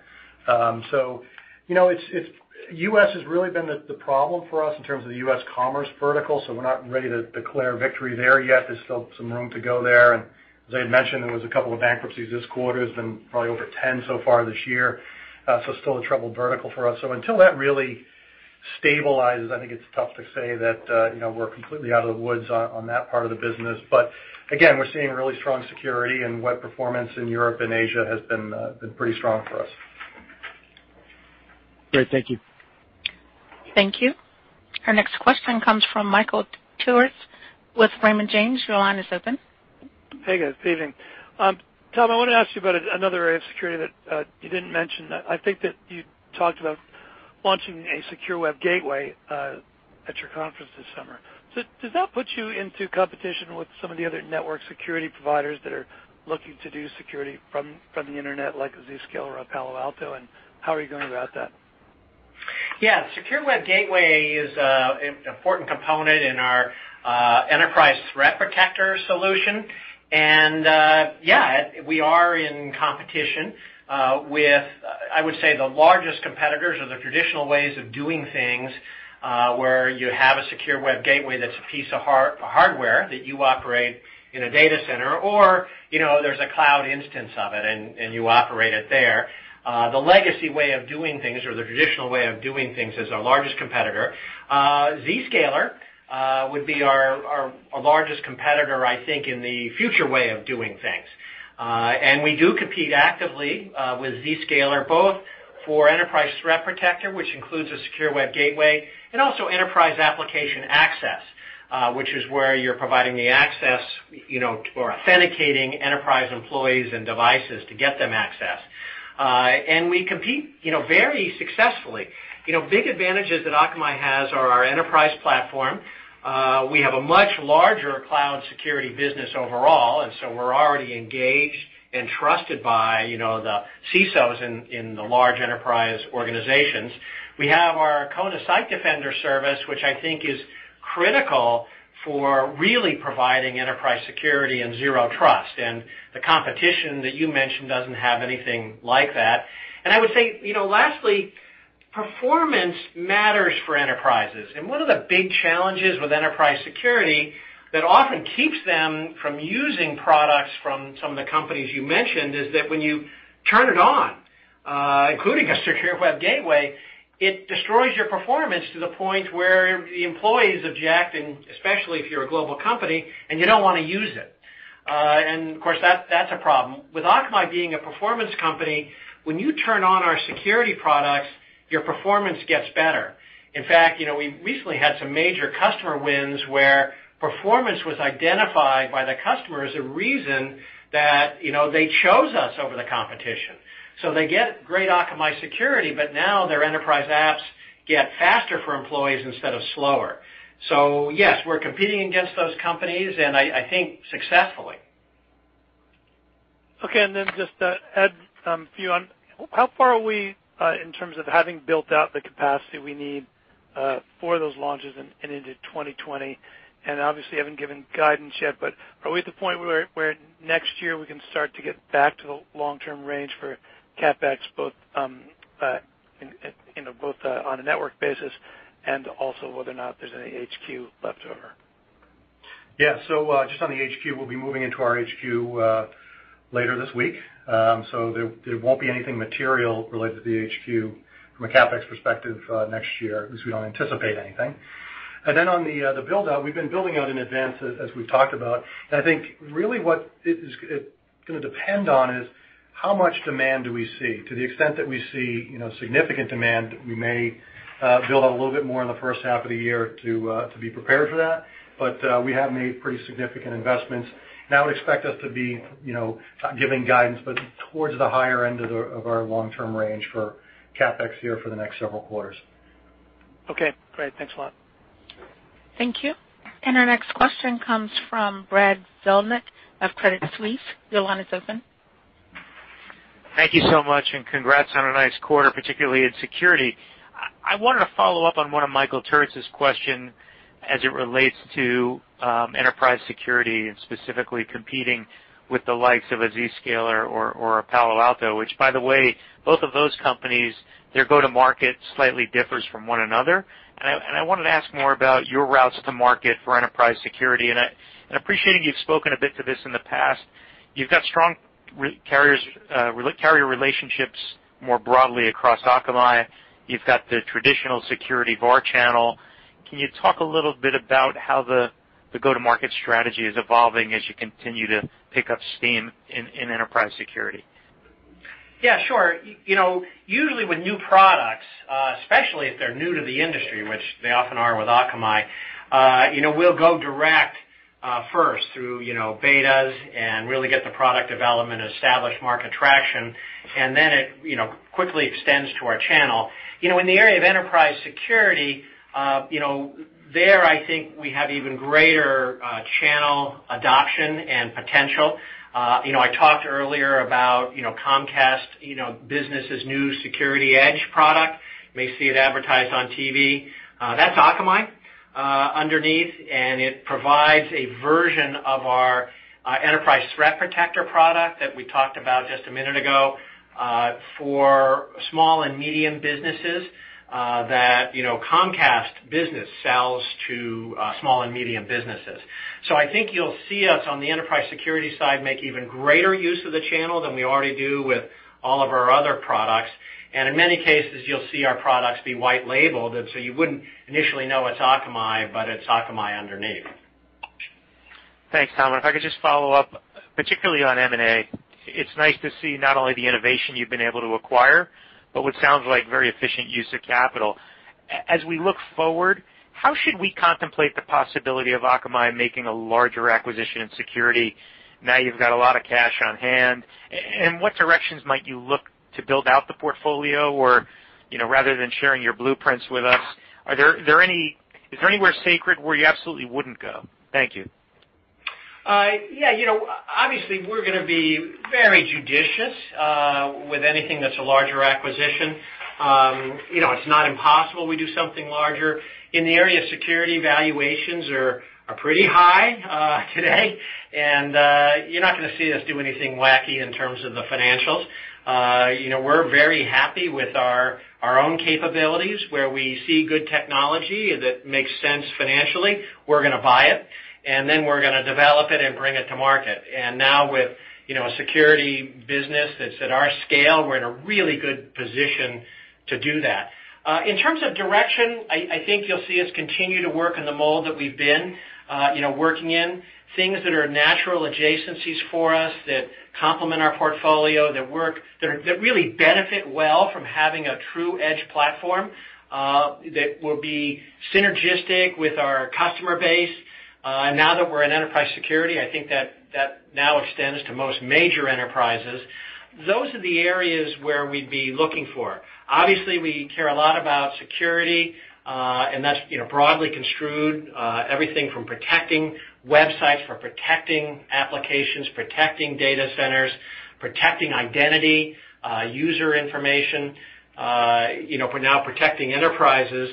U.S. has really been the problem for us in terms of the U.S. commerce vertical, so we're not ready to declare victory there yet. There's still some room to go there. As I had mentioned, there was a couple of bankruptcies this quarter. There's been probably over 10 so far this year. Still a troubled vertical for us. Until that really stabilizes, I think it's tough to say that we're completely out of the woods on that part of the business. Again, we're seeing really strong security, and web performance in Europe and Asia has been pretty strong for us. Great. Thank you. Thank you. Our next question comes from Michael Turits with Raymond James. Your line is open. Hey, guys. Evening. Tom, I want to ask you about another area of security that you didn't mention. I think that you talked about launching a secure web gateway at your conference this summer. Does that put you into competition with some of the other network security providers that are looking to do security from the internet, like a Zscaler or a Palo Alto, and how are you going about that? Yeah. Secure web gateway is an important component in our Enterprise Threat Protector solution. Yeah, we are in competition with, I would say, the largest competitors or the traditional ways of doing things, where you have a secure web gateway that's a piece of hardware that you operate in a data center, or there's a cloud instance of it, and you operate it there. The legacy way of doing things or the traditional way of doing things is our largest competitor. Zscaler would be our largest competitor, I think, in the future way of doing things. We do compete actively with Zscaler, both for Enterprise Threat Protector, which includes a secure web gateway, and also Enterprise Application Access, which is where you're providing the access or authenticating enterprise employees and devices to get them access. We compete very successfully. Big advantages that Akamai has are our enterprise platform. We have a much larger cloud security business overall, we're already engaged and trusted by the CISOs in the large enterprise organizations. We have our Kona Site Defender service, which I think is critical for really providing enterprise security and zero trust. The competition that you mentioned doesn't have anything like that. I would say, lastly, performance matters for enterprises. One of the big challenges with enterprise security that often keeps them from using products from some of the companies you mentioned is that when you turn it on, including a secure web gateway, it destroys your performance to the point where the employees object, and especially if you're a global company, and you don't want to use it. That's a problem. With Akamai being a performance company, when you turn on our security products, your performance gets better. In fact, we recently had some major customer wins where performance was identified by the customer as a reason that they chose us over the competition. They get great Akamai security, but now their enterprise apps get faster for employees instead of slower. Yes, we're competing against those companies, and I think successfully. Okay. Just to add a few on, how far are we in terms of having built out the capacity we need for those launches and into 2020? Obviously, you haven't given guidance yet, are we at the point where next year we can start to get back to the long-term range for CapEx, both on a network basis and also whether or not there's any HQ left over? Just on the HQ, we'll be moving into our HQ later this week. There won't be anything material related to the HQ from a CapEx perspective next year, at least we don't anticipate anything. On the build-out, we've been building out in advance, as we've talked about. I think really what it is going to depend on is how much demand do we see? To the extent that we see significant demand, we may build out a little bit more in the first half of the year to be prepared for that. We have made pretty significant investments. I would expect us to be, not giving guidance, but towards the higher end of our long-term range for CapEx here for the next several quarters. Okay, great. Thanks a lot. Thank you. Our next question comes from Brad Zelnick of Credit Suisse. Your line is open. Thank you so much. Congrats on a nice quarter, particularly in security. I wanted to follow up on one of Michael Turits' question as it relates to enterprise security and specifically competing with the likes of a Zscaler or a Palo Alto, which by the way, both of those companies, their go-to-market slightly differs from one another. I wanted to ask more about your routes to market for enterprise security. I appreciate you've spoken a bit to this in the past. You've got strong carrier relationships more broadly across Akamai. You've got the traditional security of our channel. Can you talk a little bit about how the go-to-market strategy is evolving as you continue to pick up steam in enterprise security? Yeah, sure. Usually with new products, especially if they're new to the industry, which they often are with Akamai, we'll go direct first through betas and really get the product development, establish market traction, and then it quickly extends to our channel. In the area of enterprise security, there, I think we have even greater channel adoption and potential. I talked earlier about Comcast Business' new SecurityEdge product. You may see it advertised on TV. That's Akamai underneath, and it provides a version of our Enterprise Threat Protector product that we talked about just a minute ago, for small and medium businesses, that Comcast Business sells to small and medium businesses. I think you'll see us on the enterprise security side make even greater use of the channel than we already do with all of our other products. In many cases, you'll see our products be white labeled, and so you wouldn't initially know it's Akamai, but it's Akamai underneath. Thanks, Tom. If I could just follow up, particularly on M&A, it's nice to see not only the innovation you've been able to acquire, but what sounds like very efficient use of capital. As we look forward, how should we contemplate the possibility of Akamai making a larger acquisition in security now you've got a lot of cash on hand? What directions might you look to build out the portfolio? Rather than sharing your blueprints with us, is there anywhere sacred where you absolutely wouldn't go? Thank you. Yeah. Obviously, we're going to be very judicious with anything that's a larger acquisition. It's not impossible we do something larger. In the area of security, valuations are pretty high today, and you're not going to see us do anything wacky in terms of the financials. We're very happy with our own capabilities. Where we see good technology that makes sense financially, we're going to buy it, and then we're going to develop it and bring it to market. Now with a security business that's at our scale, we're in a really good position to do that. In terms of direction, I think you'll see us continue to work in the mold that we've been working in. Things that are natural adjacencies for us, that complement our portfolio, that really benefit well from having a true edge platform, that will be synergistic with our customer base. Now that we're in enterprise security, I think that now extends to most major enterprises. Those are the areas where we'd be looking for. Obviously, we care a lot about security, and that's broadly construed, everything from protecting websites, from protecting applications, protecting data centers, protecting identity, user information, we're now protecting enterprises.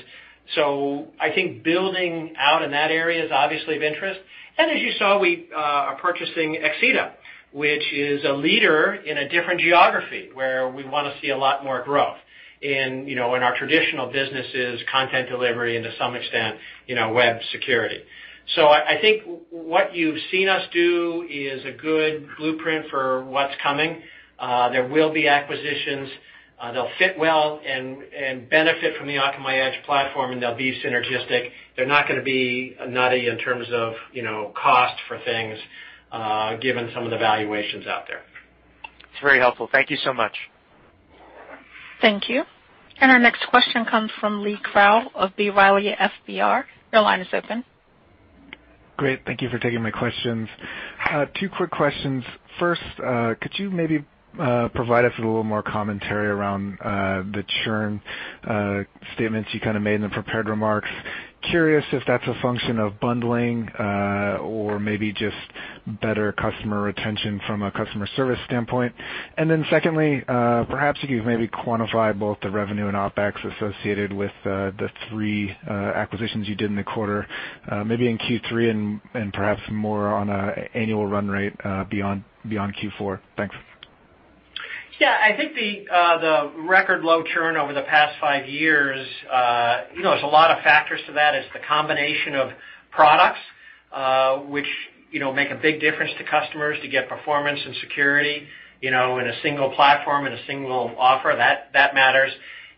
I think building out in that area is obviously of interest. As you saw, we are purchasing Exceda, which is a leader in a different geography where we want to see a lot more growth in our traditional businesses, content delivery, and to some extent, web security. I think what you've seen us do is a good blueprint for what's coming. There will be acquisitions. They'll fit well and benefit from the Akamai Edge Platform, and they'll be synergistic. They're not going to be nutty in terms of cost for things, given some of the valuations out there. It's very helpful. Thank you so much. Thank you. Our next question comes from Lee Krowl of B. Riley FBR. Your line is open. Great. Thank you for taking my questions. Two quick questions. First, could you maybe provide us with a little more commentary around the churn statements you kind of made in the prepared remarks? Curious if that's a function of bundling, or maybe just better customer retention from a customer service standpoint. Secondly, perhaps if you could maybe quantify both the revenue and OpEx associated with the three acquisitions you did in the quarter, maybe in Q3 and perhaps more on an annual run rate, beyond Q4. Thanks. Yeah. I think the record low churn over the past five years, there's a lot of factors to that. It's the combination of products, which make a big difference to customers to get performance and security in a single platform and a single offer. That matters.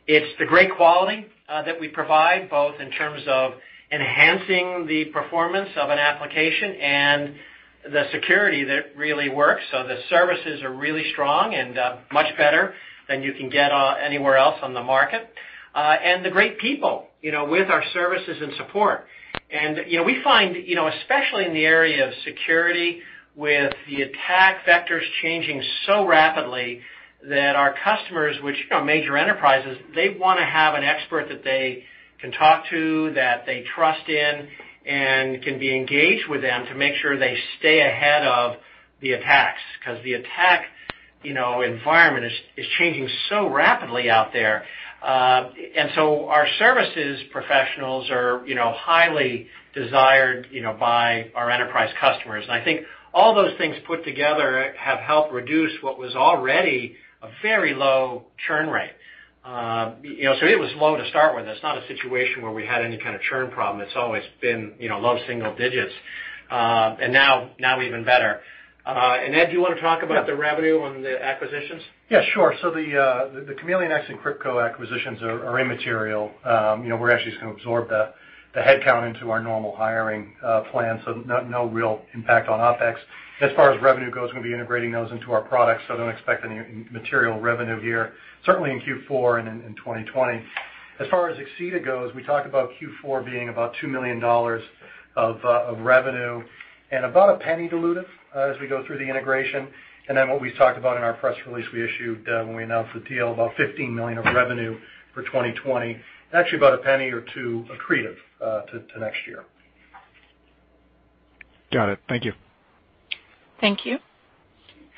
It's the great quality that we provide, both in terms of enhancing the performance of an application and the security that really works. The services are really strong and much better than you can get anywhere else on the market. The great people with our services and support. We find, especially in the area of security, with the attack vectors changing so rapidly that our customers, which are major enterprises, they want to have an expert that they can talk to, that they trust in, and can be engaged with them to make sure they stay ahead of the attacks. Because the attack environment is changing so rapidly out there. Our services professionals are highly desired by our enterprise customers. I think all those things put together have helped reduce what was already a very low churn rate. It was low to start with. It's not a situation where we had any kind of churn problem. It's always been low single digits. Now even better. Ed, do you want to talk about the revenue on the acquisitions? Yeah, sure. The ChameleonX and KryptCo acquisitions are immaterial. We're actually just going to absorb the headcount into our normal hiring plans. No real impact on OpEx. As far as revenue goes, we're going to be integrating those into our products, so don't expect any material revenue here, certainly in Q4 and in 2020. As far as Exceda goes, we talk about Q4 being about $2 million of revenue and about $0.01 diluted as we go through the integration. What we've talked about in our press release we issued when we announced the deal, about $15 million of revenue for 2020, and actually about $0.01 or $0.02 accretive to next year. Got it. Thank you. Thank you.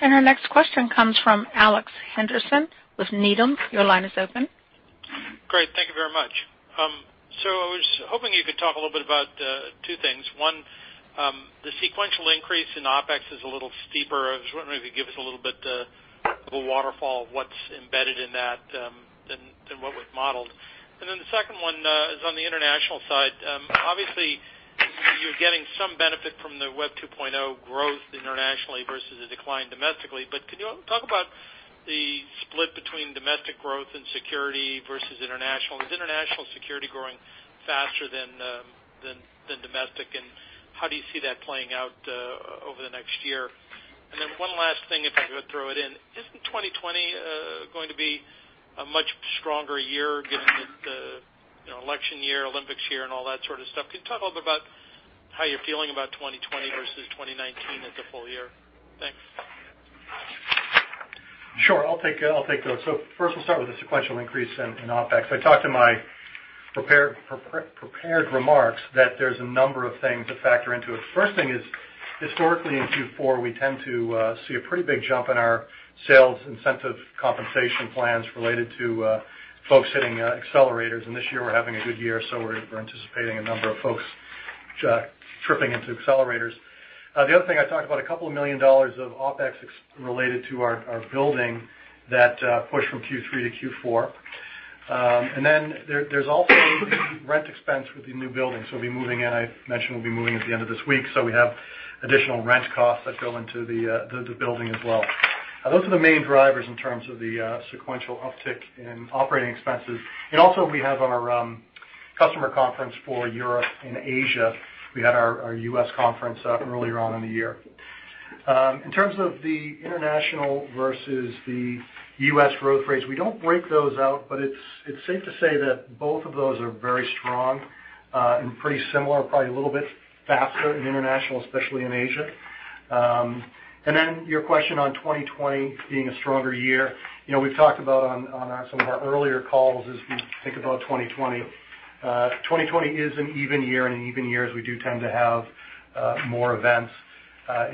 Our next question comes from Alex Henderson with Needham. Your line is open. Great. Thank you very much. I was hoping you could talk a little bit about two things. One, the sequential increase in OpEx is a little steeper. I was wondering if you could give us a little bit of a waterfall of what's embedded in that than what was modeled. The second one is on the international side. Obviously, you're getting some benefit from the Web 2.0 growth internationally versus a decline domestically, can you talk about the split between domestic growth and security versus international? Is international security growing faster than domestic, how do you see that playing out over the next year? One last thing, if I could throw it in. Isn't 2020 going to be a much stronger year given the election year, Olympics year, and all that sort of stuff? Can you talk a little bit about how you're feeling about 2020 versus 2019 as a full year? Thanks. Sure. I'll take those. First, we'll start with the sequential increase in OpEx. I talked in my prepared remarks that there's a number of things that factor into it. First thing is, historically in Q4, we tend to see a pretty big jump in our sales incentive compensation plans related to folks hitting accelerators. This year we're having a good year, we're anticipating a number of folks tripping into accelerators. The other thing, I talked about a couple of million USD of OpEx related to our building that pushed from Q3 to Q4. There's also rent expense with the new building. We'll be moving in, I mentioned we'll be moving at the end of this week, we have additional rent costs that go into the building as well. Those are the main drivers in terms of the sequential uptick in operating expenses. Also, we have our customer conference for Europe and Asia. We had our U.S. conference earlier on in the year. In terms of the international versus the U.S. growth rates, we don't break those out, but it's safe to say that both of those are very strong and pretty similar, probably a little bit faster in international, especially in Asia. Your question on 2020 being a stronger year. We've talked about on some of our earlier calls as we think about 2020. 2020 is an even year. In even years, we do tend to have more events.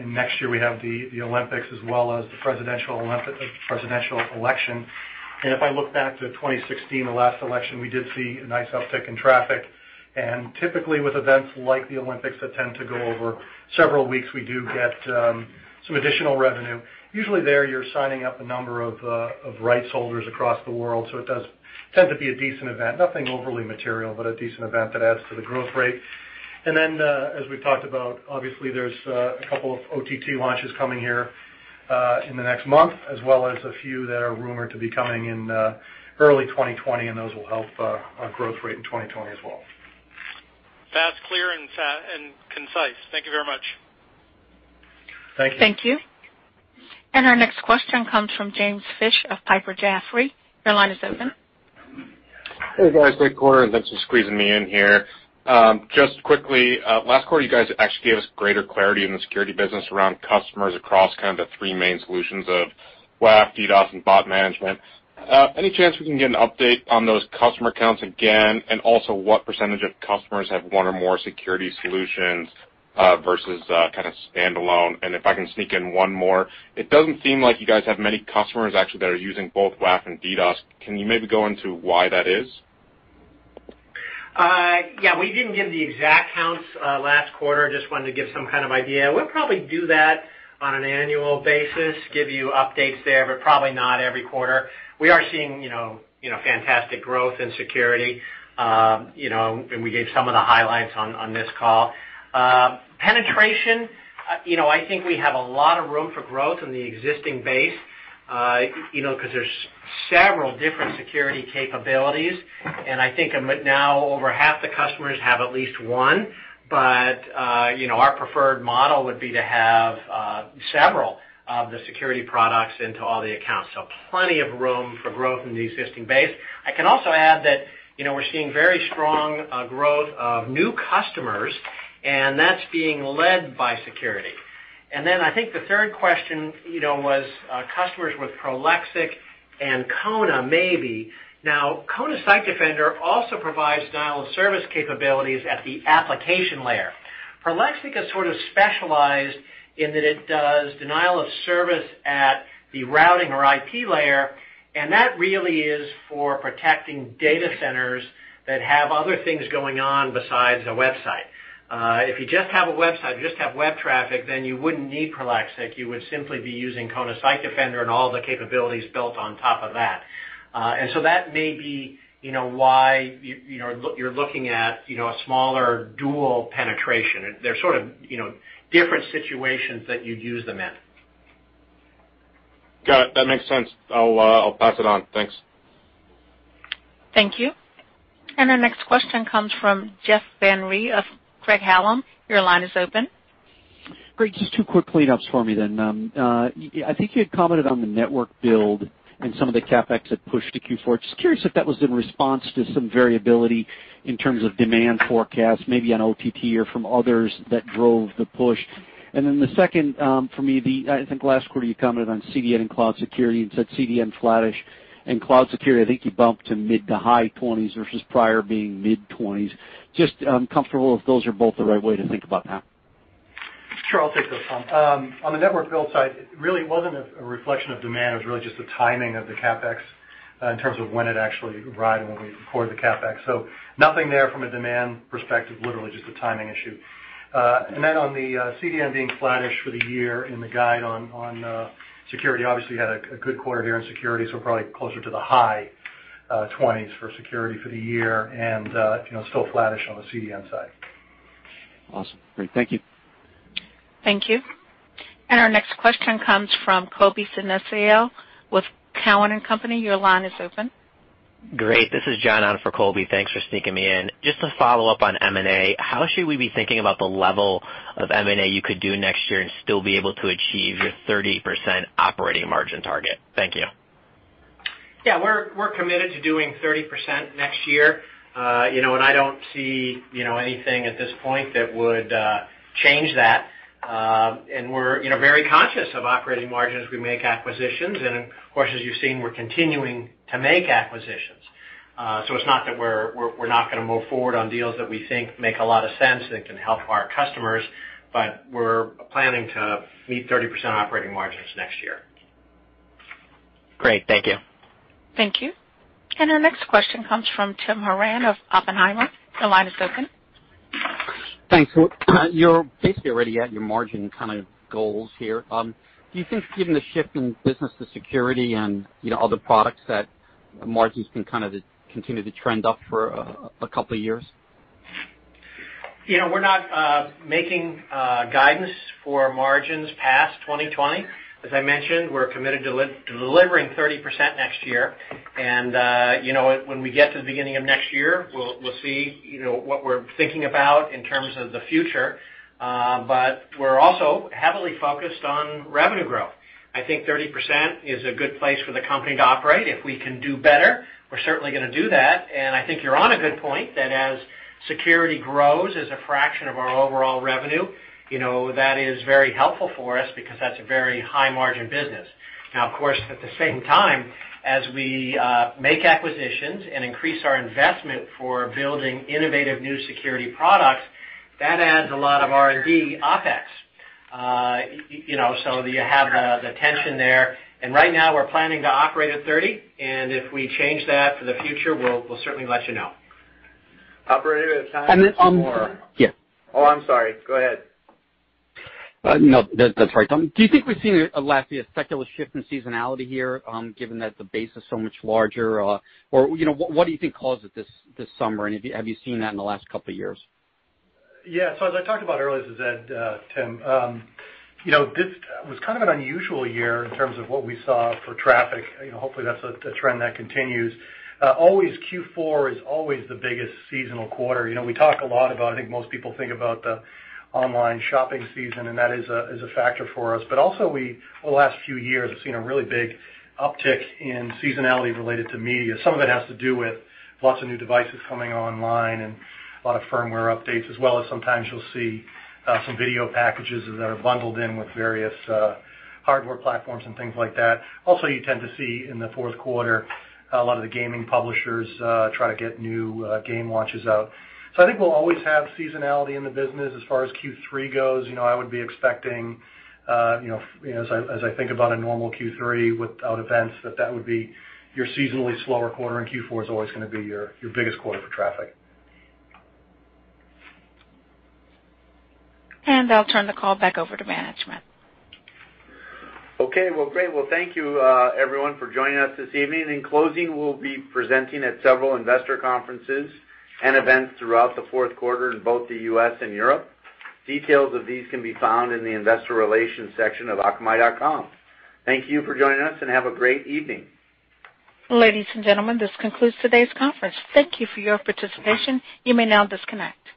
Next year, we have the Olympics as well as the presidential election. If I look back to 2016, the last election, we did see a nice uptick in traffic. Typically with events like the Olympics that tend to go over several weeks, we do get some additional revenue. Usually there, you're signing up a number of rights holders across the world, so it does tend to be a decent event. Nothing overly material, but a decent event that adds to the growth rate. Then, as we've talked about, obviously there's a couple of OTT launches coming here in the next month, as well as a few that are rumored to be coming in early 2020, and those will help our growth rate in 2020 as well. Fast, clear, and concise. Thank you very much. Thank you. Thank you. Our next question comes from James Fish of Piper Jaffray. Your line is open. Hey, guys. Great quarter, and thanks for squeezing me in here. Just quickly, last quarter you guys actually gave us greater clarity in the security business around customers across the 3 main solutions of WAF, DDoS, and bot management. Also what percentage of customers have one or more security solutions versus standalone? If I can sneak in one more, it doesn't seem like you guys have many customers actually that are using both WAF and DDoS. Can you maybe go into why that is? Yeah, we didn't give the exact counts last quarter. Just wanted to give some kind of idea. We'll probably do that on an annual basis, give you updates there, but probably not every quarter. We are seeing fantastic growth in security, and we gave some of the highlights on this call. Penetration, I think we have a lot of room for growth in the existing base, because there's several different security capabilities, and I think now over half the customers have at least one. Our preferred model would be to have several of the security products into all the accounts. Plenty of room for growth in the existing base. I can also add that we're seeing very strong growth of new customers, and that's being led by security. I think the third question was customers with Prolexic and Kona, maybe. Kona Site Defender also provides denial of service capabilities at the application layer. Prolexic is sort of specialized in that it does denial of service at the routing or IP layer, and that really is for protecting data centers that have other things going on besides a website. If you just have a website, you just have web traffic, then you wouldn't need Prolexic. You would simply be using Kona Site Defender and all the capabilities built on top of that. That may be why you're looking at a smaller dual penetration. They're sort of different situations that you'd use them in. Got it. That makes sense. I'll pass it on. Thanks. Thank you. Our next question comes from Jeff Van Rhee of Craig-Hallum. Your line is open. Great. Just two quick cleanups for me then. I think you had commented on the network build and some of the CapEx that pushed to Q4. Just curious if that was in response to some variability in terms of demand forecasts, maybe on OTT or from others that drove the push. The second for me, I think last quarter you commented on CDN and cloud security and said CDN flattish and cloud security, I think you bumped to mid to high 20s versus prior being mid-20s. Just comfortable if those are both the right way to think about that. Sure. I'll take those, Tom. On the network build side, it really wasn't a reflection of demand. It was really just the timing of the CapEx in terms of when it actually arrived and when we recorded the CapEx. Nothing there from a demand perspective, literally just a timing issue. Then on the CDN being flattish for the year and the guide on security, obviously, we had a good quarter here in security, so probably closer to the high 20s for security for the year and still flattish on the CDN side. Awesome. Great. Thank you. Thank you. Our next question comes from Colby Synesael with Cowen and Company. Your line is open. Great. This is John on for Colby. Thanks for sneaking me in. Just to follow up on M&A, how should we be thinking about the level of M&A you could do next year and still be able to achieve your 30% operating margin target? Thank you. Yeah, we're committed to doing 30% next year. I don't see anything at this point that would change that. We're very conscious of operating margin as we make acquisitions. Of course, as you've seen, we're continuing to make acquisitions. It's not that we're not going to move forward on deals that we think make a lot of sense and can help our customers, but we're planning to meet 30% operating margins next year. Great. Thank you. Thank you. Our next question comes from Tim Horan of Oppenheimer. Your line is open. Thanks. You're basically already at your margin kind of goals here. Do you think given the shift in business to security and other products that margins can kind of continue to trend up for a couple of years? We're not making guidance for margins past 2020. As I mentioned, we're committed to delivering 30% next year. When we get to the beginning of next year, we'll see what we're thinking about in terms of the future. We're also heavily focused on revenue growth. I think 30% is a good place for the company to operate. If we can do better, we're certainly going to do that. I think you're on a good point that as security grows as a fraction of our overall revenue, that is very helpful for us because that's a very high-margin business. Now, of course, at the same time, as we make acquisitions and increase our investment for building innovative new security products, that adds a lot of R&D OpEx. You have the tension there. Right now, we're planning to operate at 30, and if we change that for the future, we'll certainly let you know. Operator, we have time for more. Yeah. Oh, I'm sorry. Go ahead. No, that's all right, Tom. Do you think we've seen, lastly, a secular shift in seasonality here, given that the base is so much larger? What do you think caused it this summer, and have you seen that in the last couple of years? Yeah. As I talked about earlier, Tim, this was kind of an unusual year in terms of what we saw for traffic. Hopefully, that's a trend that continues. Q4 is always the biggest seasonal quarter. We talk a lot about, I think most people think about the online shopping season, that is a factor for us. Also over the last few years, we've seen a really big uptick in seasonality related to media. Some of it has to do with lots of new devices coming online and a lot of firmware updates, as well as sometimes you'll see some video packages that are bundled in with various hardware platforms and things like that. Also, you tend to see in the fourth quarter, a lot of the gaming publishers try to get new game launches out. I think we'll always have seasonality in the business. As far as Q3 goes, I would be expecting, as I think about a normal Q3 without events, that that would be your seasonally slower quarter, and Q4 is always going to be your biggest quarter for traffic. I'll turn the call back over to management. Okay. Well, great. Well, thank you, everyone, for joining us this evening. In closing, we'll be presenting at several investor conferences and events throughout the fourth quarter in both the U.S. and Europe. Details of these can be found in the investor relations section of akamai.com. Thank you for joining us, and have a great evening. Ladies and gentlemen, this concludes today's conference. Thank you for your participation. You may now disconnect.